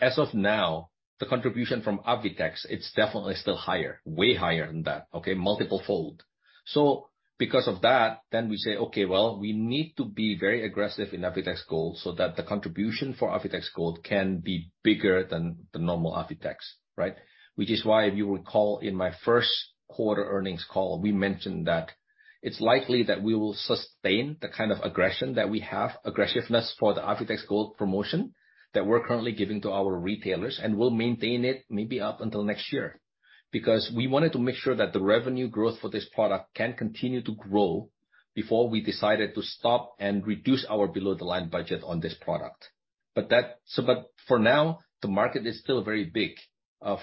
As of now, the contribution from Avitex, it's definitely still higher, way higher than that, okay, multiple-fold. Because of that, then we say, "Okay, well, we need to be very aggressive in Avitex Gold so that the contribution for Avitex Gold can be bigger than the normal Avitex," right? Which is why, if you recall, in my first quarter earnings call, we mentioned that it's likely that we will sustain the kind of aggression that we have, aggressiveness for the Avitex Gold promotion that we're currently giving to our retailers, and we'll maintain it maybe up until next year. We wanted to make sure that the revenue growth for this product can continue to grow before we decided to stop and reduce our below-the-line budget on this product. That, for now, the market is still very big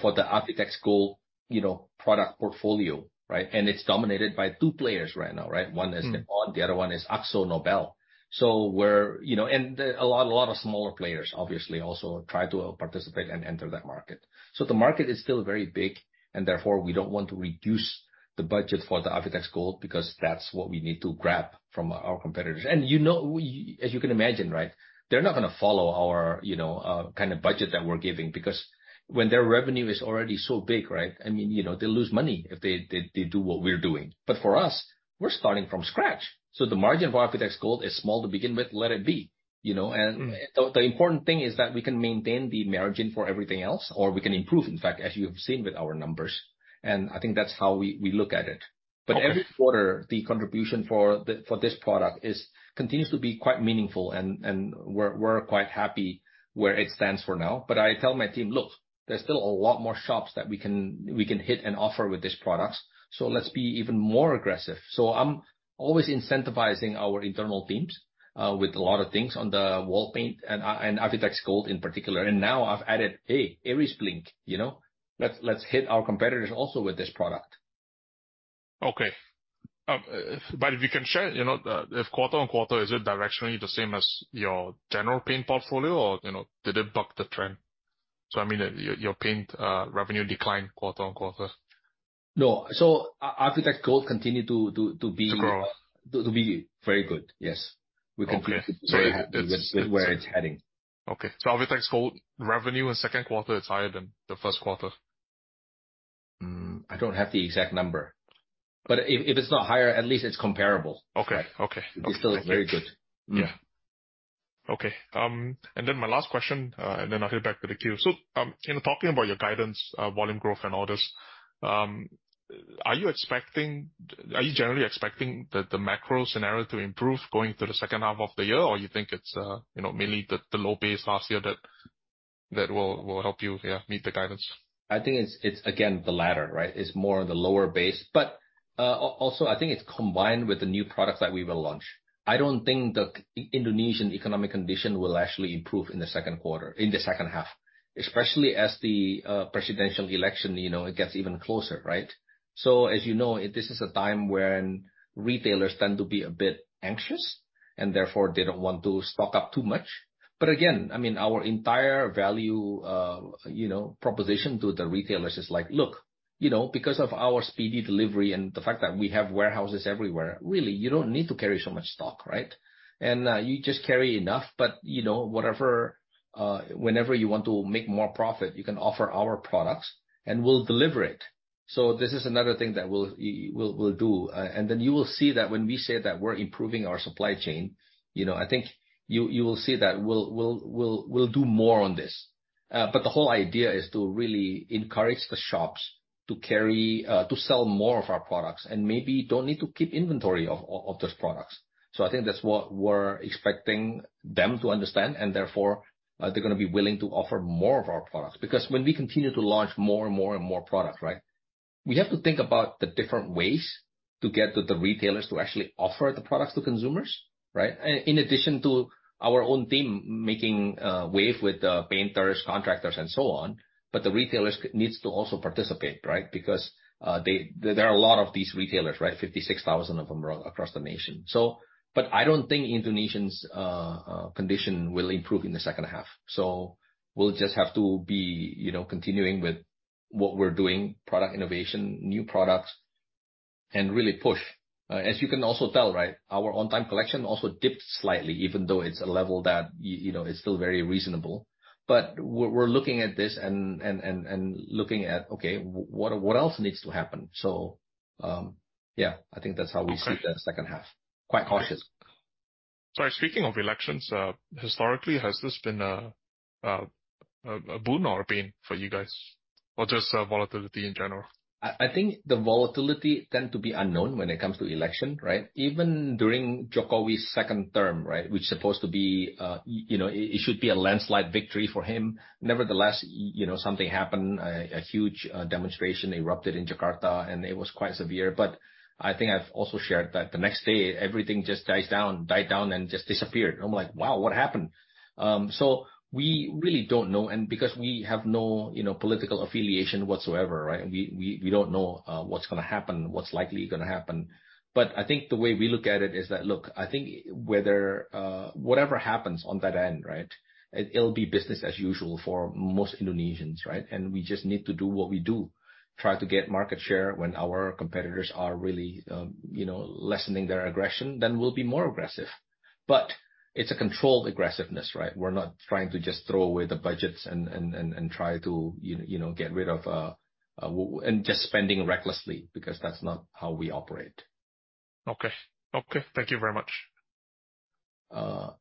for the Avitex Gold, you know, product portfolio, right? It's dominated by two players right now, right? Mm. One is Nippon, the other one is AkzoNobel. We're, you know, and a lot, a lot of smaller players, obviously, also try to participate and enter that market. The market is still very big, and therefore, we don't want to reduce the budget for the Avitex Gold because that's what we need to grab from our competitors. You know, as you can imagine, right they're not gonna follow our, you know, kind of budget that we're giving because when their revenue is already so big, right? I mean, you know, they'll lose money if they, they, they do what we're doing. For us, we're starting from scratch, so the margin for Avitex Gold is small to begin with, let it be, you know? Mm. The, the important thing is that we can maintain the margin for everything else, or we can improve, in fact, as you've seen with our numbers, and I think that's how we, we look at it. Okay. Every quarter, the contribution for the, for this product is, continues to be quite meaningful, and, and we're, we're quite happy where it stands for now. I tell my team: Look, there's still a lot more shops that we can, we can hit and offer with these products, so let's be even more aggressive. I'm always incentivizing our internal teams, with a lot of things on the wall paint and, and Avitex Gold in particular. Now I've added, "Hey, Aries Bling, you know, let's, let's hit our competitors also with this product. If you can share, you know, if quarter-on-quarter, is it directionally the same as your general paint portfolio, or, you know, did it buck the trend? I mean, your, your paint, revenue declined quarter-on-quarter. No. Avitex Gold continued to be. To grow. to, to be very good. Yes. Okay. We completed- It's. where it's heading. Okay. Avitex Gold revenue in second quarter is higher than the first quarter? I don't have the exact number, but if, if it's not higher, at least it's comparable. Okay, okay. It's still very good. Yeah. Okay, my last question, then I'll head back to the queue. In talking about your guidance, volume growth and all this, are you expecting, are you generally expecting the macro scenario to improve going through the second half of the year? You think it's, you know, mainly the low base last year that will, will help you, yeah, meet the guidance? I think it's, it's again, the latter, right? It's more the lower base. Also I think it's combined with the new products that we will launch. I don't think the Indonesian economic condition will actually improve in the second quarter, in the second half, especially as the presidential election, you know, it gets even closer, right? As you know, this is a time when retailers tend to be a bit anxious, and therefore, they don't want to stock up too much. Again, I mean, our entire value, you know, proposition to the retailers is like, "Look, you know, because of our speedy delivery and the fact that we have warehouses everywhere, really, you don't need to carry so much stock, right? You just carry enough. You know, whatever, whenever you want to make more profit, you can offer our products, and we'll deliver it." This is another thing that we'll, we, we'll, will do. Then you will see that when we say that we're improving our supply chain, you know, I think you, you will see that we'll, we'll, we'll, we'll do more on this. The whole idea is to really encourage the shops to carry, to sell more of our products and maybe don't need to keep inventory of those products. I think that's what we're expecting them to understand, and therefore, they're gonna be willing to offer more of our products. When we continue to launch more and more and more products, right, we have to think about the different ways to get the, the retailers to actually offer the products to consumers, right? In addition to our own team making, wave with the painters, contractors and so on, the retailers needs to also participate, right? Because, they, there are a lot of these retailers, right? 56,000 of them are across the nation. I don't think Indonesia's condition will improve in the second half, so we'll just have to be, you know, continuing with what we're doing, product innovation, new products, and really push. As you can also tell, right, our on-time collection also dipped slightly, even though it's a level that, you know, is still very reasonable. We're, we're looking at this and, and, and, and looking at, okay, what, what else needs to happen? Yeah, I think that's how we- Okay see the second half. Quite cautious. Sorry, speaking of elections, historically, has this been a boon or a bane for you guys, or just volatility in general? I, I think the volatility tend to be unknown when it comes to election, right? Even during Jokowi's second term, right, which supposed to be, you know, it should be a landslide victory for him. Nevertheless, you know, something happened, a, a huge demonstration erupted in Jakarta, and it was quite severe. I think I've also shared that the next day, everything just dies down, died down and just disappeared. I'm like, "Wow, what happened?" So we really don't know, and because we have no, you know, political affiliation whatsoever, right? We, we, we don't know what's gonna happen, what's likely gonna happen. I think the way we look at it is that, look, I think whether whatever happens on that end, right, it'll be business as usual for most Indonesians, right? We just need to do what we do, try to get market share. When our competitors are really, you know, lessening their aggression, then we'll be more aggressive. It's a controlled aggressiveness, right? We're not trying to just throw away the budgets and try to, you know, get rid of, and just spending recklessly, because that's not how we operate. Okay. Okay, thank you very much.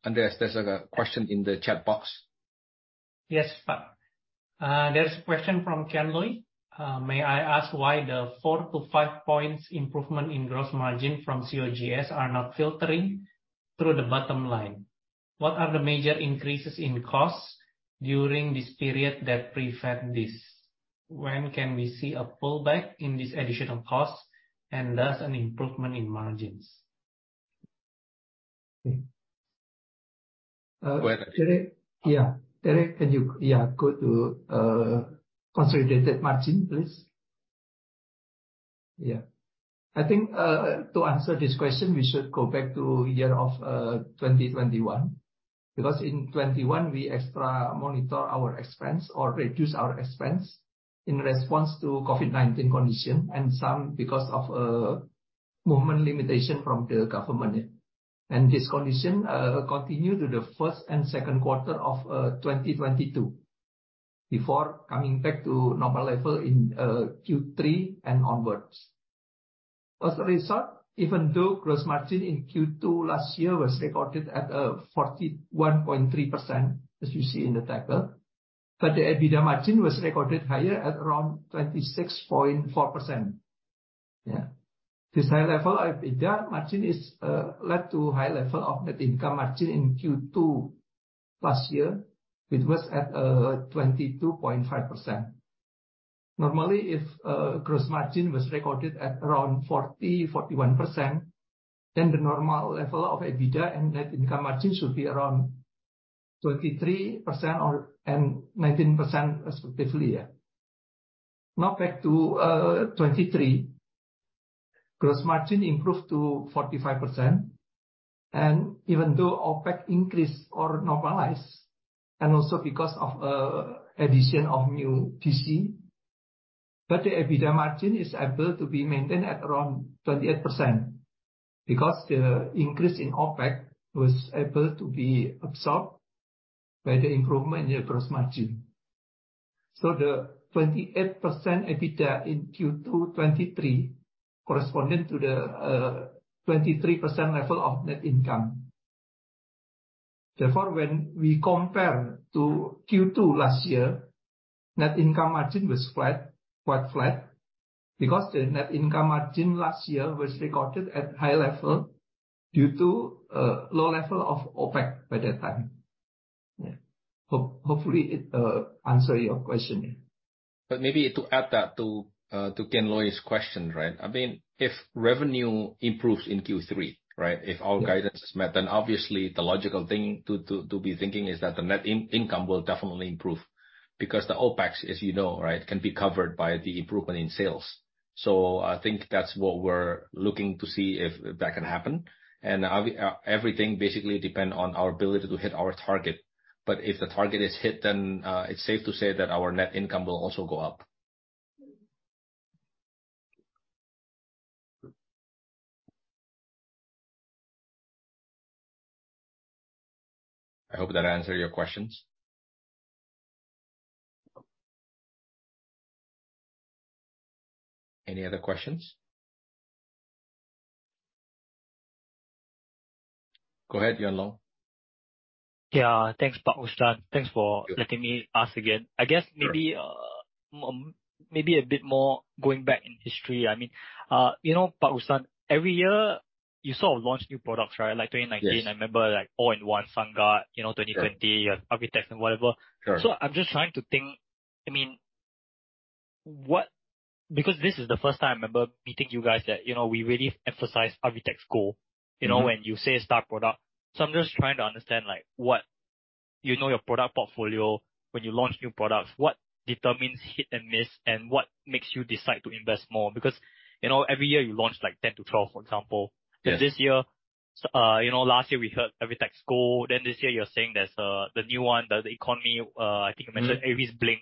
Andreas, there's a question in the chat box. Yes, there's a question from Kian Lui. "May I ask why the four to five points improvement in gross margin from COGS are not filtering through the bottom line? What are the major increases in costs during this period that prevent this? When can we see a pullback in this additional cost and thus an improvement in margins? Okay. Uh- Go ahead. Yeah. Director, can you, yeah, go to consolidated margin, please? Yeah. I think to answer this question, we should go back to year of 2021, because in 2021, we extra monitor our expense or reduce our expense in response to COVID-19 condition and some because of movement limitation from the government. This condition continue to the first and second quarter of 2022, before coming back to normal level in Q3 and onwards. As a result, even though gross margin in Q2 last year was recorded at 41.3%, as you see in the table, but the EBITDA margin was recorded higher at around 26.4%. Yeah. This high level EBITDA margin is led to high level of net income margin in Q2 last year, which was at 22.5%. Normally, if gross margin was recorded at around 40%-41%, then the normal level of EBITDA and net income margin should be around 23% or, and 19% respectively, yeah. Now, back to 2023, gross margin improved to 45%, and even though OpEx increased or normalized, and also because of addition of new D.C., but the EBITDA margin is able to be maintained at around 28%, because the increase in OpEx was able to be absorbed by the improvement in the gross margin. The 28% EBITDA in Q2 2023 corresponded to the 23% level of net income. Therefore, when we compare to Q2 last year, net income margin was flat, quite flat because the net income margin last year was recorded at high level due to low level of OpEx by that time. Yeah. Hopefully it answer your question? Maybe to add that to Kian Lui's question, right? I mean, if revenue improves in Q3, right, if our guidance is met, then obviously the logical thing to, to, to be thinking is that the net income will definitely improve. The OpEx, as you know, right, can be covered by the improvement in sales. I think that's what we're looking to see if that can happen. Everything basically depend on our ability to hit our target. If the target is hit, then it's safe to say that our net income will also go up. I hope that answered your questions. Any other questions? Go ahead, Yuan Loh. Yeah. Thanks, Pak Ruslan. Thanks for letting me ask again. I guess maybe, maybe a bit more going back in history. I mean, you know, Pak Ruslan, every year you sort of launch new products, right? Like 2019- Yes. I remember, like, all-in-one Sunguard, you know, 2020- Yeah. You have Avitex and whatever. Sure. I'm just trying to think, I mean, what. This is the first time I remember meeting you guys, that, you know, we really emphasize Avitex Gold. Mm-hmm. You know, when you say star product. I'm just trying to understand, like, you know, your product portfolio, when you launch new products, what determines hit and miss, and what makes you decide to invest more? Because, you know, every year you launch, like, 10 to 12, for example. Yeah. This year, you know, last year we heard Avitex Gold, then this year you're saying there's the new one, the economy, I think you mentioned- Mm-hmm. Aries Bling.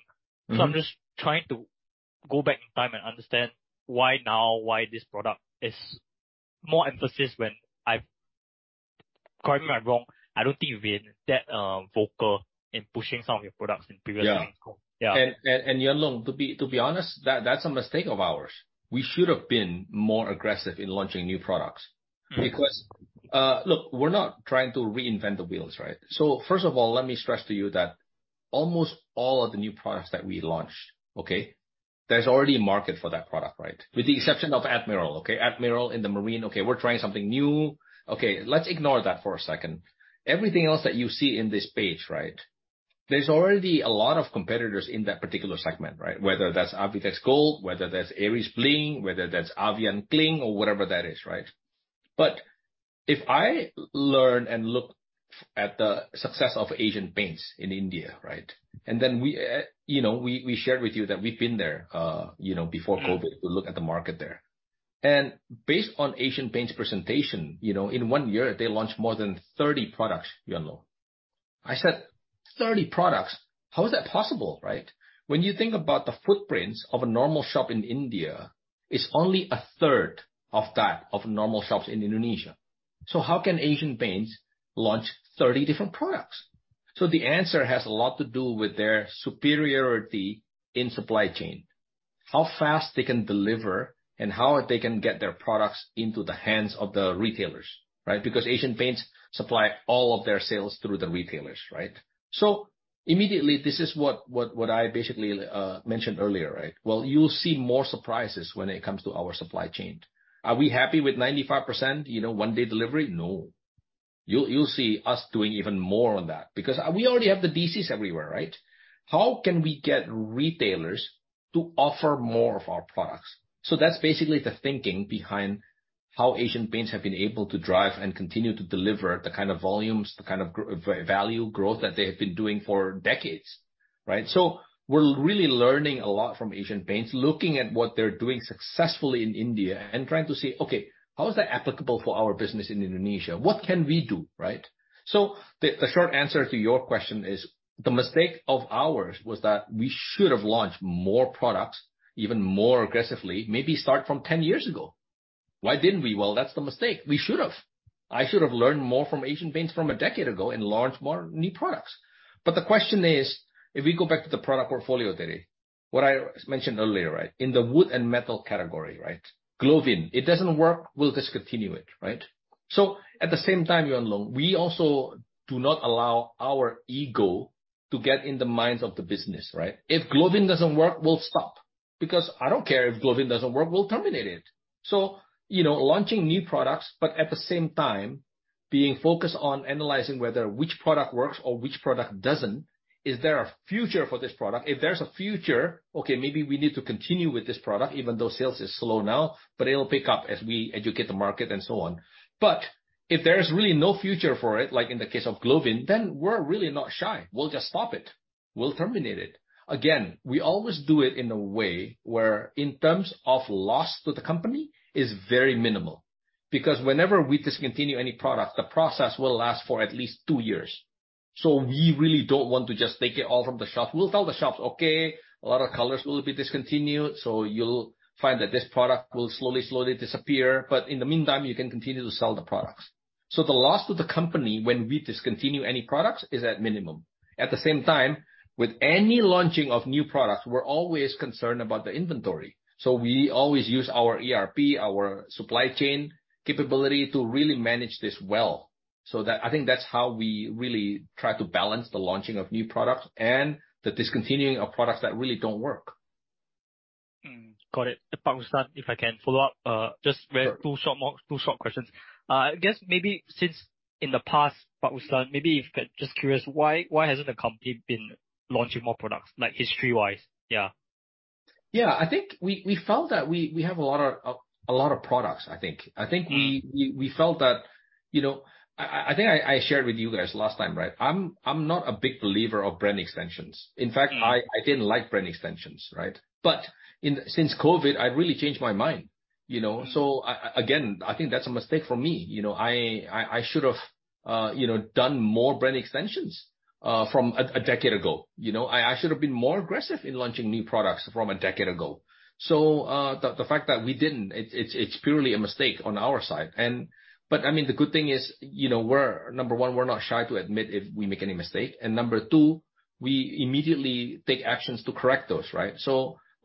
Mm-hmm. I'm just trying to go back in time and understand why now, why this product is more emphasis when, correct me if I'm wrong, I don't think you've been that vocal in pushing some of your products in previous yearsh? Yeah. Yeah. Yuan Loh, to be, to be honest, that's a mistake of ours. We should have been more aggressive in launching new products. Mm-hmm. Look, we're not trying to reinvent the wheels, right? First of all, let me stress to you that almost all of the new products that we launch, okay, there's already a market for that product, right? With the exception of Admiral, okay? Admiral in the marine, okay, we're trying something new. Okay, let's ignore that for a second. Everything else that you see in this page, right, there's already a lot of competitors in that particular segment, right? Whether that's Avitex Gold, whether that's Aries Bling, whether that's Avian Cling or whatever that is, right? If I learn and look at the success of Asian Paints in India, right, and then we, you know, we, we shared with you that we've been there, you know, before COVID- Mm-hmm... to look at the market there. Based on Asian Paints presentation, you know, in one year, they launched more than 30 products, Yuan Loh. I said, "30 products? How is that possible?" Right? When you think about the footprints of a normal shop in India, it's only 1/3 of that of normal shops in Indonesia. How can Asian Paints launch 30 different products? The answer has a lot to do with their superiority in supply chain, how fast they can deliver, and how they can get their products into the hands of the retailers, right? Because Asian Paints supply all of their sales through the retailers, right? Immediately, this is what, what, what I basically mentioned earlier, right? Well, you'll see more surprises when it comes to our supply chain. Are we happy with 95%, you know, one-day delivery? No. You'll, you'll see us doing even more on that, because we already have the D.C.s everywhere, right? How can we get retailers to offer more of our products? That's basically the thinking behind how Asian Paints have been able to drive and continue to deliver the kind of volumes, the kind of value growth that they have been doing for decades, right? We're really learning a lot from Asian Paints, looking at what they're doing successfully in India and trying to say, "Okay, how is that applicable for our business in Indonesia? What can we do?" Right? The, the short answer to your question is, the mistake of ours was that we should have launched more products even more aggressively, maybe start from 10 years ago. Why didn't we? Well, that's the mistake. We should have. I should have learned more from Asian Paints from a decade ago and launched more new products. The question is, if we go back to the product portfolio, Terry, what I mentioned earlier, right? In the wood and metal category, right, Glovin, it doesn't work, we'll discontinue it, right? At the same time, Yuan Loh, we also do not allow our ego to get in the minds of the business, right? If Glovin doesn't work, we'll stop. I don't care if Glovin doesn't work, we'll terminate it. You know, launching new products, but at the same time being focused on analyzing whether which product works or which product doesn't. Is there a future for this product? If there's a future, okay, maybe we need to continue with this product, even though sales is slow now, it'll pick up as we educate the market and so on. If there is really no future for it, like in the case of Glovin, then we're really not shy. We'll just stop it. We'll terminate it. Again, we always do it in a way where, in terms of loss to the company, is very minimal. Whenever we discontinue any product, the process will last for at least two years. We really don't want to just take it all from the shop. We'll tell the shops, "Okay, a lot of colors will be discontinued, so you'll find that this product will slowly, slowly disappear, but in the meantime, you can continue to sell the products." The loss to the company when we discontinue any products is at minimum. At the same time, with any launching of new products, we're always concerned about the inventory, so we always use our ERP, our supply chain capability, to really manage this well. I think that's how we really try to balance the launching of new products and the discontinuing of products that really don't work. Got it. Pak Ruslan, if I can follow up. Sure. Two short more, two short questions. I guess maybe since in the past, Pak Ruslan, maybe if, just curious, why, why hasn't the company been launching more products, like, history-wise? Yeah. Yeah, I think we, we felt that we, we have a lot of, a lot of products, I think. Mm. I think we felt that, you know, I think I shared with you guys last time, right? I'm not a big believer of brand extensions. Mm. In fact, I didn't like brand extensions, right? In, since COVID, I've really changed my mind, you know? Mm. I, again, I think that's a mistake for me. You know, I, I, I should've, you know, done more brand extensions from a decade ago. You know, I, I should have been more aggressive in launching new products from a decade ago. The fact that we didn't, it's, it's, it's purely a mistake on our side. I mean, the good thing is, you know, we're, number one, we're not shy to admit if we make any mistake, and number two, we immediately take actions to correct those, right?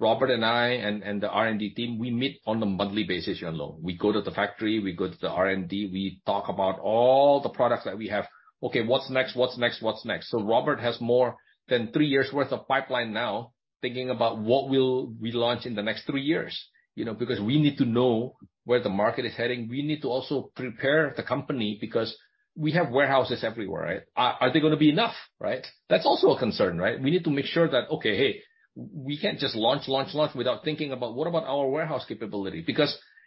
Robert and I and the R&D team, we meet on a monthly basis, Yuan Loh. We go to the factory, we go to the R&D, we talk about all the products that we have. "Okay, what's next? What's next? What's next?" Robert has more than three years' worth of pipeline now, thinking about what we'll relaunch in the next three years. You know, because we need to know where the market is heading. We need to also prepare the company because we have warehouses everywhere, right? Are they gonna be enough, right? That's also a concern, right? We need to make sure that, okay, hey, we can't just launch, launch, launch without thinking about what about our warehouse capability?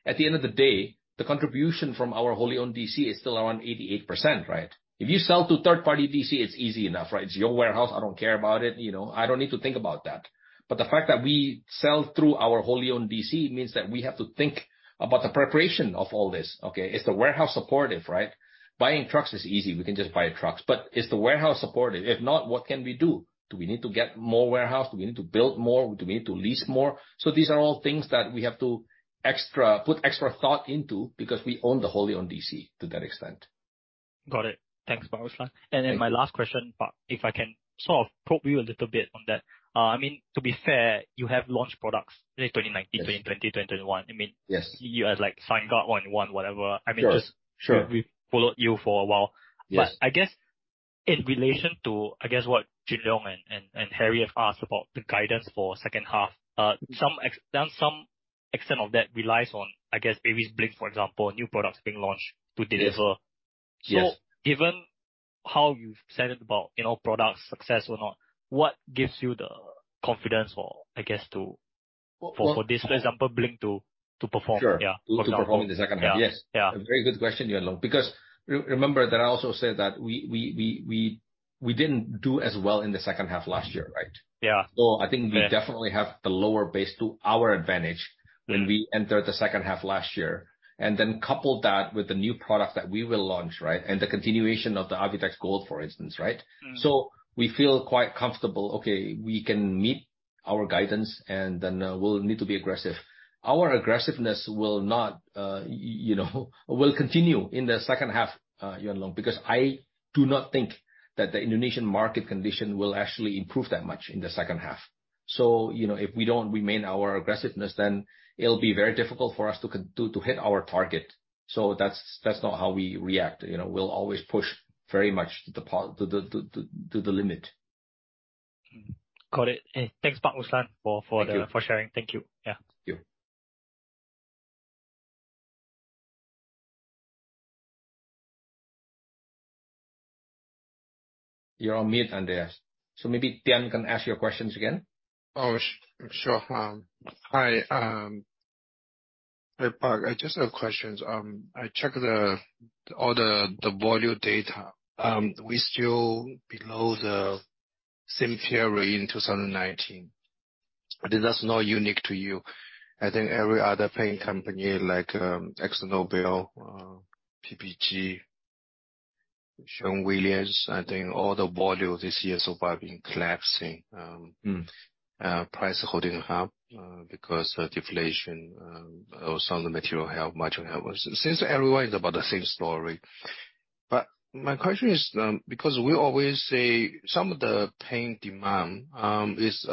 At the end of the day, the contribution from our wholly-owned D.C. is still around 88%, right? If you sell to third-party D.C., it's easy enough, right? It's your warehouse. I don't care about it. You know, I don't need to think about that. The fact that we sell through our wholly-owned D.C., means that we have to think about the preparation of all this, okay? Is the warehouse supportive, right? Buying trucks is easy. We can just buy trucks. Is the warehouse supportive? If not, what can we do? Do we need to get more warehouse? Do we need to build more? Do we need to lease more? These are all things that we have to put extra thought into because we own the wholly-owned D.C. to that extent. Got it. Thanks, Pak Ruslan. Yeah. My last question, Pak, if I can sort of probe you a little bit on that. I mean, to be fair, you have launched products in 2019. Yes. 2020, 2021. I mean- Yes. you guys, like, Sunguard one one, whatever. Sure, sure. I mean, just, we've followed you for a while. Yes. I guess in relation to, I guess, what Jun Yong and, and, and Harry have asked about the guidance for second half, some extent of that relies on, I guess, maybe Bling, for example, new products being launched to deliver. Yes, yes. Given how you've said it about, you know, products, success or not, what gives you the confidence for, I guess to- Well, For this, for example, Bling to perform? Sure. Yeah, for example. To perform in the second half. Yeah. Yes. Yeah. A very good question, Yuan Loh, because remember that I also said that we didn't do as well in the second half last year, right? Yeah. I think- Yeah we definitely have the lower base to our advantage. Mm When we entered the second half last year. Then couple that with the new products that we will launch, right? The continuation of the Avitex Gold, for instance, right? Mm. We feel quite comfortable, okay, we can meet our guidance, and then, we'll need to be aggressive. Our aggressiveness will not, you know, will continue in the second half, Yuan Loh, because I do not think that the Indonesian market condition will actually improve that much in the second half. You know, if we don't remain our aggressiveness, then it'll be very difficult for us to to, to hit our target. That's, that's not how we react, you know. We'll always push very much to the to the, to, to, to the limit. Mm. Got it. Hey, thanks, Pak Ruslan, for. Thank you.... for sharing. Thank you. Yeah. Thank you. You're on mute, Andreas, so maybe Tian can ask your questions again. Oh, sure. Hi, hi, Pak. I just have questions. I checked the, all the, the volume data. We're still below the same period in 2019. That's not unique to you. I think every other paint company like AkzoNobel, PPG, Sherwin-Williams, I think all the volume this year so far have been collapsing. Mm. Price holding up, because of deflation, or some of the material help, much help. Since everyone is about the same story. My question is, because we always say some of the paint demand is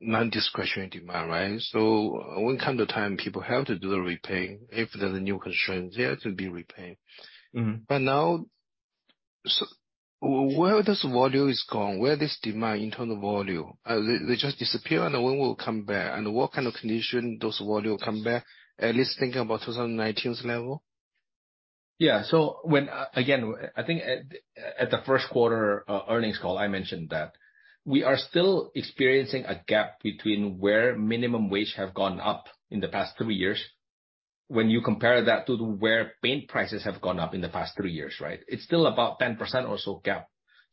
nondiscretionary demand, right? When come the time, people have to do the repainting. If there's a new constraint, they have to be repainted. Mm-hmm. Now, where this volume is gone, where this demand in terms of volume? They just disappear, and when will come back, and what kind of condition those volume come back, at least thinking about 2019's level? Yeah. When, again, I think at the first quarter earnings call, I mentioned that. We are still experiencing a gap between where minimum wage have gone up in the past three years, when you compare that to where paint prices have gone up in the past three years, right? It's still about 10% or so gap.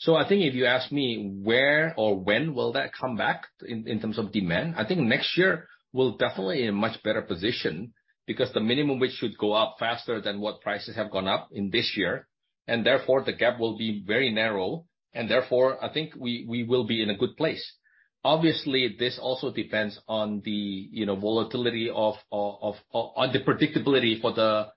I think if you ask me where or when will that come back in, in terms of demand, I think next year will definitely a much better position because the minimum wage should go up faster than what prices have gone up in this year, and therefore, the gap will be very narrow, and therefore, I think we will be in a good place. Obviously, this also depends on the, you know, volatility of, on the predictability for the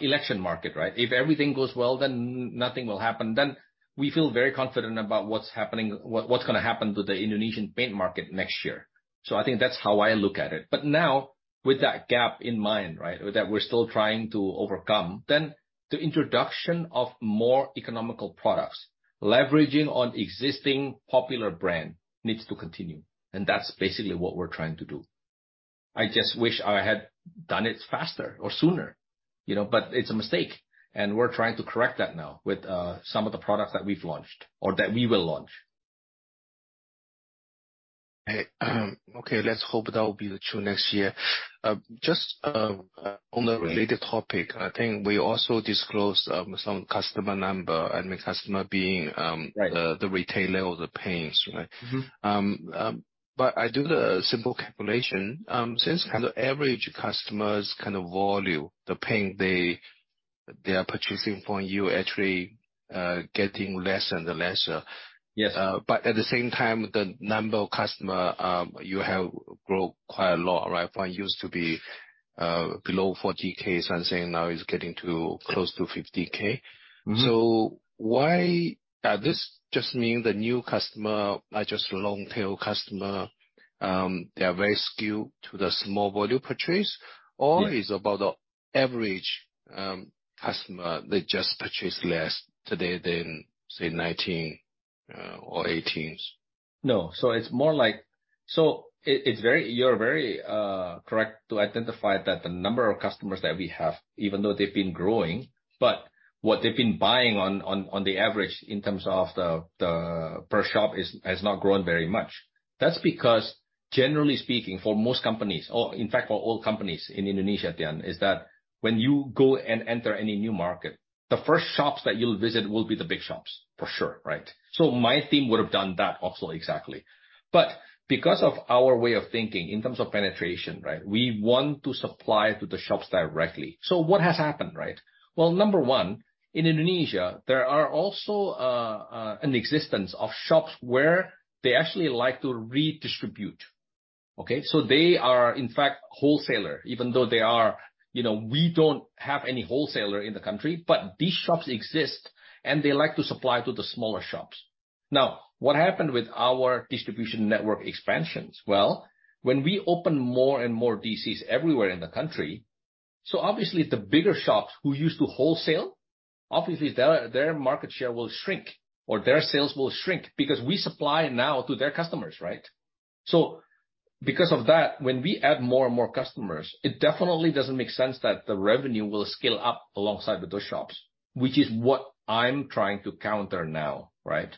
election market, right? If everything goes well, then nothing will happen, then we feel very confident about what's happening, what's gonna happen to the Indonesian paint market next year. I think that's how I look at it. Now, with that gap in mind, right, that we're still trying to overcome, then the introduction of more economical products, leveraging on existing popular brand needs to continue, and that's basically what we're trying to do. I just wish I had done it faster or sooner, you know? It's a mistake, and we're trying to correct that now with some of the products that we've launched or that we will launch. Hey, okay, let's hope that will be the true next year. Just on a related topic, I think we also disclosed some customer number, and the customer being. Right the retailer or the paints, right? Mm-hmm. I do the simple calculation. Since the average customer's kind of volume, the paint they, they are purchasing from you actually, getting lesser and lesser. Yes. At the same time, the number of customer, you have grown quite a lot, right? From used to be, below 40,000, something now is getting to close to 50,000. Mm-hmm. Why... this just mean the new customer are just long-tail customer, they are very skewed to the small volume purchase? Yeah. is about the average customer, they just purchase less today than, say, 2019, or 2018? No. It's more like, you're very correct to identify that the number of customers that we have, even though they've been growing, but what they've been buying on the average in terms of the per shop has not grown very much. That's because, generally speaking, for most companies, or in fact for all companies in Indonesia, Tian, is that when you go and enter any new market, the first shops that you'll visit will be the big shops, for sure, right? My team would have done that also exactly. Because of our way of thinking in terms of penetration, right, we want to supply to the shops directly. What has happened, right? Well, number one, in Indonesia, there are also an existence of shops where they actually like to redistribute, okay? They are, in fact, wholesaler, even though they are... You know, we don't have any wholesaler in the country, but these shops exist, and they like to supply to the smaller shops. Now, what happened with our distribution network expansions? Well, when we open more and more D.C.s everywhere in the country, so obviously the bigger shops who used to wholesale, obviously, their, their market share will shrink or their sales will shrink because we supply now to their customers, right? Because of that, when we add more and more customers, it definitely doesn't make sense that the revenue will scale up alongside with those shops, which is what I'm trying to counter now, right?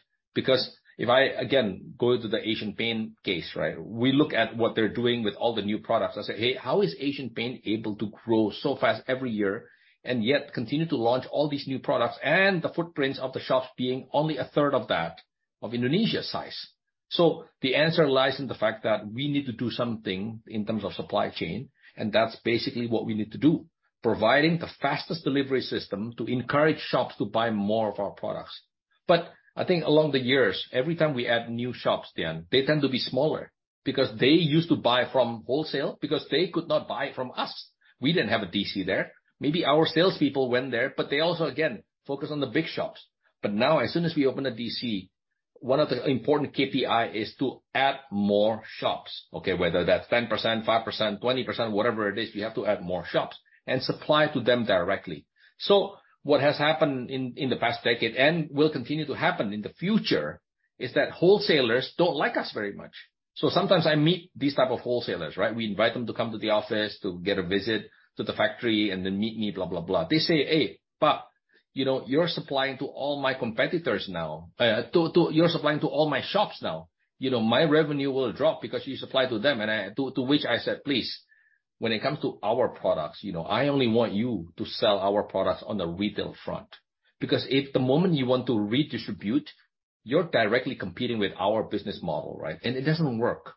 If I, again, go to the Asian Paint case, right, we look at what they're doing with all the new products and say, "Hey, how is Asian Paint able to grow so fast every year, and yet continue to launch all these new products, and the footprints of the shops being only 1/3 of that of Indonesia's size?" The answer lies in the fact that we need to do something in terms of supply chain, and that's basically what we need to do, providing the fastest delivery system to encourage shops to buy more of our products. I think along the years, every time we add new shops, Tian, they tend to be smaller because they used to buy from wholesale, because they could not buy from us. We didn't have a D.C. there. Maybe our salespeople went there, they also, again, focus on the big shops. Now, as soon as we open a D.C., one of the important KPI is to add more shops, okay? Whether that's 10%, 5%, 20%, whatever it is, you have to add more shops and supply to them directly. What has happened in, in the past decade and will continue to happen in the future, is that wholesalers don't like us very much. Sometimes I meet these type of wholesalers, right? We invite them to come to the office, to get a visit to the factory, and then meet me, blah, blah, blah. They say, "Hey, but, you know, you're supplying to all my competitors now. You're supplying to all my shops now. You know, my revenue will drop because you supply to them." I, to, to which I said, "Please, when it comes to our products, you know, I only want you to sell our products on the retail front, because if the moment you want to redistribute, you're directly competing with our business model, right? It doesn't work.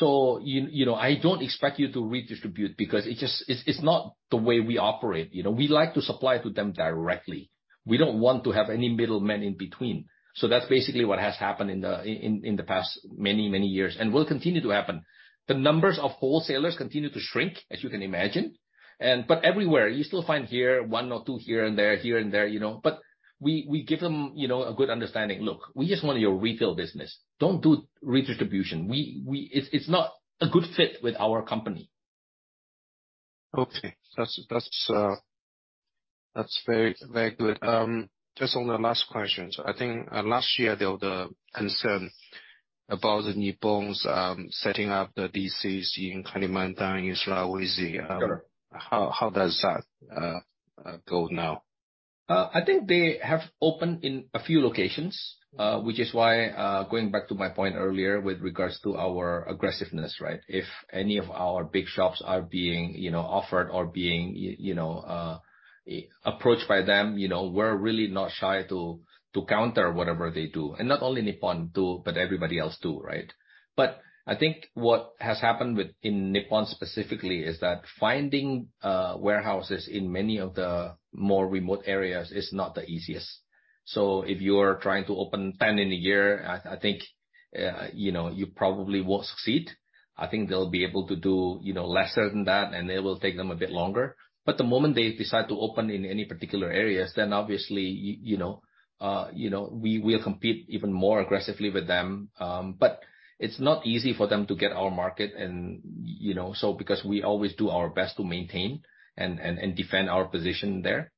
You, you know, I don't expect you to redistribute because it just, it's, it's not the way we operate, you know. We like to supply to them directly. We don't want to have any middleman in between." That's basically what has happened in the, in, in the past many, many years, and will continue to happen. The numbers of wholesalers continue to shrink, as you can imagine. Everywhere, you still find here, one or two here and there, here and there, you know, but we, we give them, you know, a good understanding. "Look, we just want your retail business. Don't do redistribution. It's not a good fit with our company. Okay. That's, that's, that's very, very good. Just on the last question. I think, last year, there was a concern about the Nippon's, setting up the D.C.s in Kalimantan, in Sulawesi. Sure. How, how does that go now? I think they have opened in a few locations, which is why, going back to my point earlier with regards to our aggressiveness, right? If any of our big shops are being, you know, offered or being, you know, approached by them, you know, we're really not shy to, to counter whatever they do. Not only Nippon do, but everybody else too, right? I think what has happened with, in Nippon specifically, is that finding warehouses in many of the more remote areas is not the easiest. If you're trying to open 10 in a year, I, I think, you know, you probably won't succeed. I think they'll be able to do, you know, lesser than that, and it will take them a bit longer. The moment they decide to open in any particular areas, then obviously, you know, we will compete even more aggressively with them. It's not easy for them to get our market and, you know, so because we always do our best to maintain and, and, and defend our position there.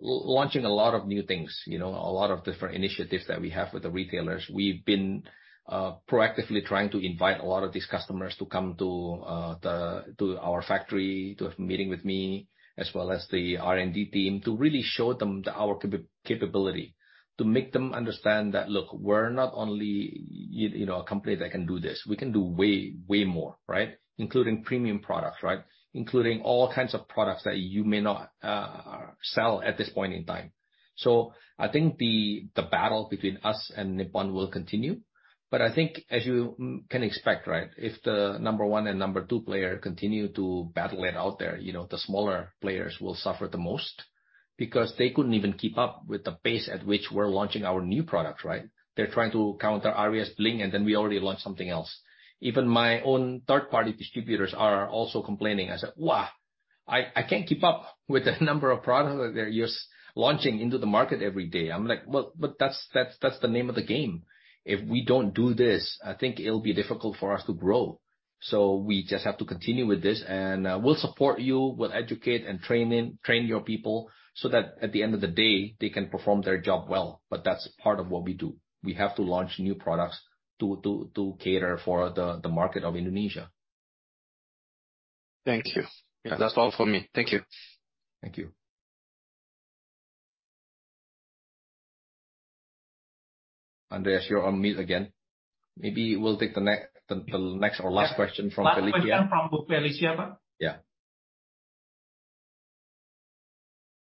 Launching a lot of new things, you know, a lot of different initiatives that we have with the retailers. We've been proactively trying to invite a lot of these customers to come to the to our factory, to have a meeting with me, as well as the R&D team, to really show them that our capability. To make them understand that, look, we're not only you know, a company that can do this, we can do way, way more, right? Including premium products, right? Including all kinds of products that you may not sell at this point in time. I think the, the battle between us and Nippon will continue, but I think as you can expect, right, if the number one and number two player continue to battle it out there, you know, the smaller players will suffer the most because they couldn't even keep up with the pace at which we're launching our new products, right? They're trying to counter Aries Bling, and then we already launched something else. Even my own third-party distributors are also complaining. I said, "Wow, I, I can't keep up with the number of products that you're launching into the market every day." I'm like, Well, but that's, that's, that's the name of the game. If we don't do this, I think it'll be difficult for us to grow. We just have to continue with this. We'll support you. We'll educate and train your people so that at the end of the day, they can perform their job well. That's part of what we do. We have to launch new products to, to, to cater for the market of Indonesia. Thank you. Yeah, that's all for me. Thank you. Thank you. Andreas, you're on mute again. Maybe we'll take the next next or last question from Felicia. Last question from Bu Felicia, Pak. Yeah.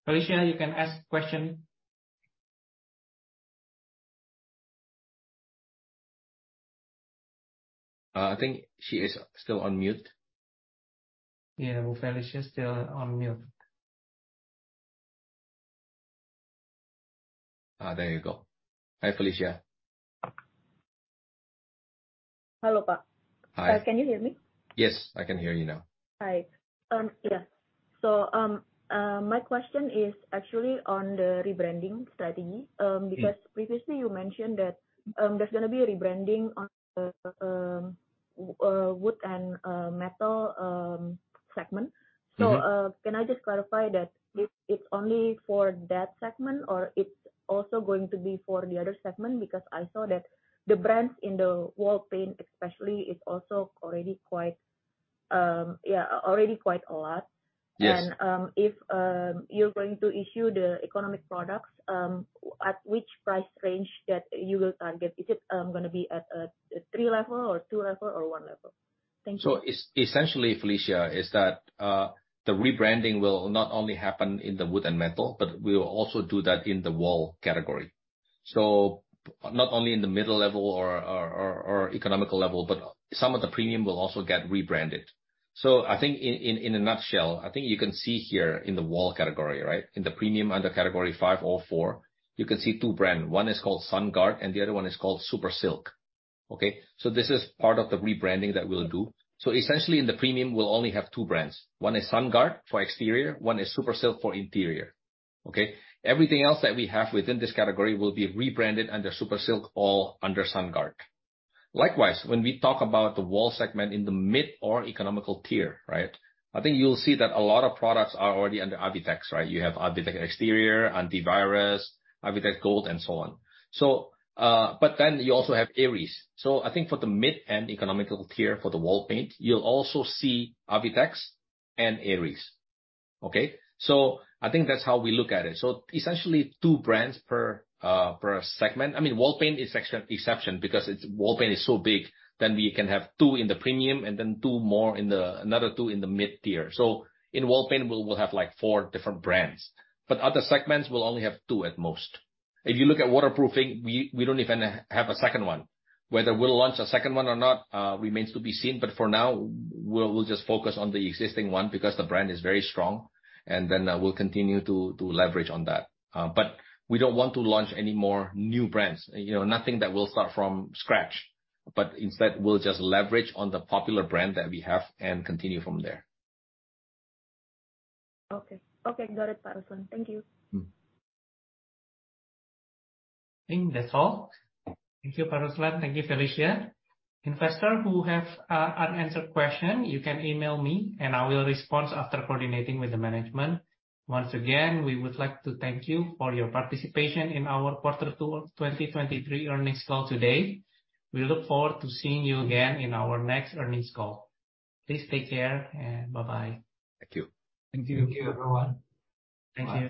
Felicia, you can ask question. I think she is still on mute. Yeah, Bu Felicia is still on mute. There you go. Hi, Felicia. Hello, Pak. Hi. Can you hear me? Yes, I can hear you now. Hi. Yeah. My question is actually on the rebranding strategy. Mm-hmm. Because previously you mentioned that, there's gonna be a rebranding on the wood and metal segment. Mm-hmm. Can I just clarify that it, it's only for that segment, or it's also going to be for the other segment? Because I saw that the brands in the wall paint especially, is also already quite, already quite a lot. Yes. If you're going to issue the economic products, at which price range that you will target? Is it gonna be at a, a three level or two level or one level? Thank you. Essentially, Felicia, is that the rebranding will not only happen in the wood and metal, but we will also do that in the wall category. Not only in the middle level or economical level, but some of the premium will also get rebranded. I think in a nutshell, I think you can see here in the wall category, right? In the premium under category five or four, you can see two brand. One is called Sunguard, and the other one is called Supersilk. Okay, this is part of the rebranding that we'll do. Essentially in the premium, we'll only have two brands. One is Sunguard for exterior, one is Supersilk for interior. Okay? Everything else that we have within this category will be rebranded under Supersilk, all under Sunguard. Likewise, when we talk about the wall segment in the mid or economical tier, right? I think you'll see that a lot of products are already under Avitex, right? You have Avitex Exterior, Antivirus, Avitex Gold, and so on. But then you also have Aries. I think for the mid and economical tier for the wall paint, you'll also see Avitex and Aries. Okay? I think that's how we look at it. Essentially, two brands per segment. I mean, wall paint is exception, exception because it's, wall paint is so big that we can have two in the premium and then two more in the, another two in the mid tier. In wall paint, we'll, we'll have, like, four different brands, but other segments will only have two at most. If you look at waterproofing, we don't even have a second one. Whether we'll launch a second one or not remains to be seen, but for now, we'll just focus on the existing one because the brand is very strong, and then we'll continue to leverage on that. We don't want to launch any more new brands. You know, nothing that will start from scratch, but instead, we'll just leverage on the popular brand that we have and continue from there. Okay. Okay, got it, Pak Ruslan. Thank you. Mm-hmm. I think that's all. Thank you, Pak Ruslan. Thank you, Felicia. Investor who have unanswered question, you can email me, and I will respond after coordinating with the management. Once again, we would like to thank you for your participation in our quarter two of 2023 earnings call today. We look forward to seeing you again in our next earnings call. Please take care and bye-bye. Thank you. Thank you. Thank you, everyone. Thank you.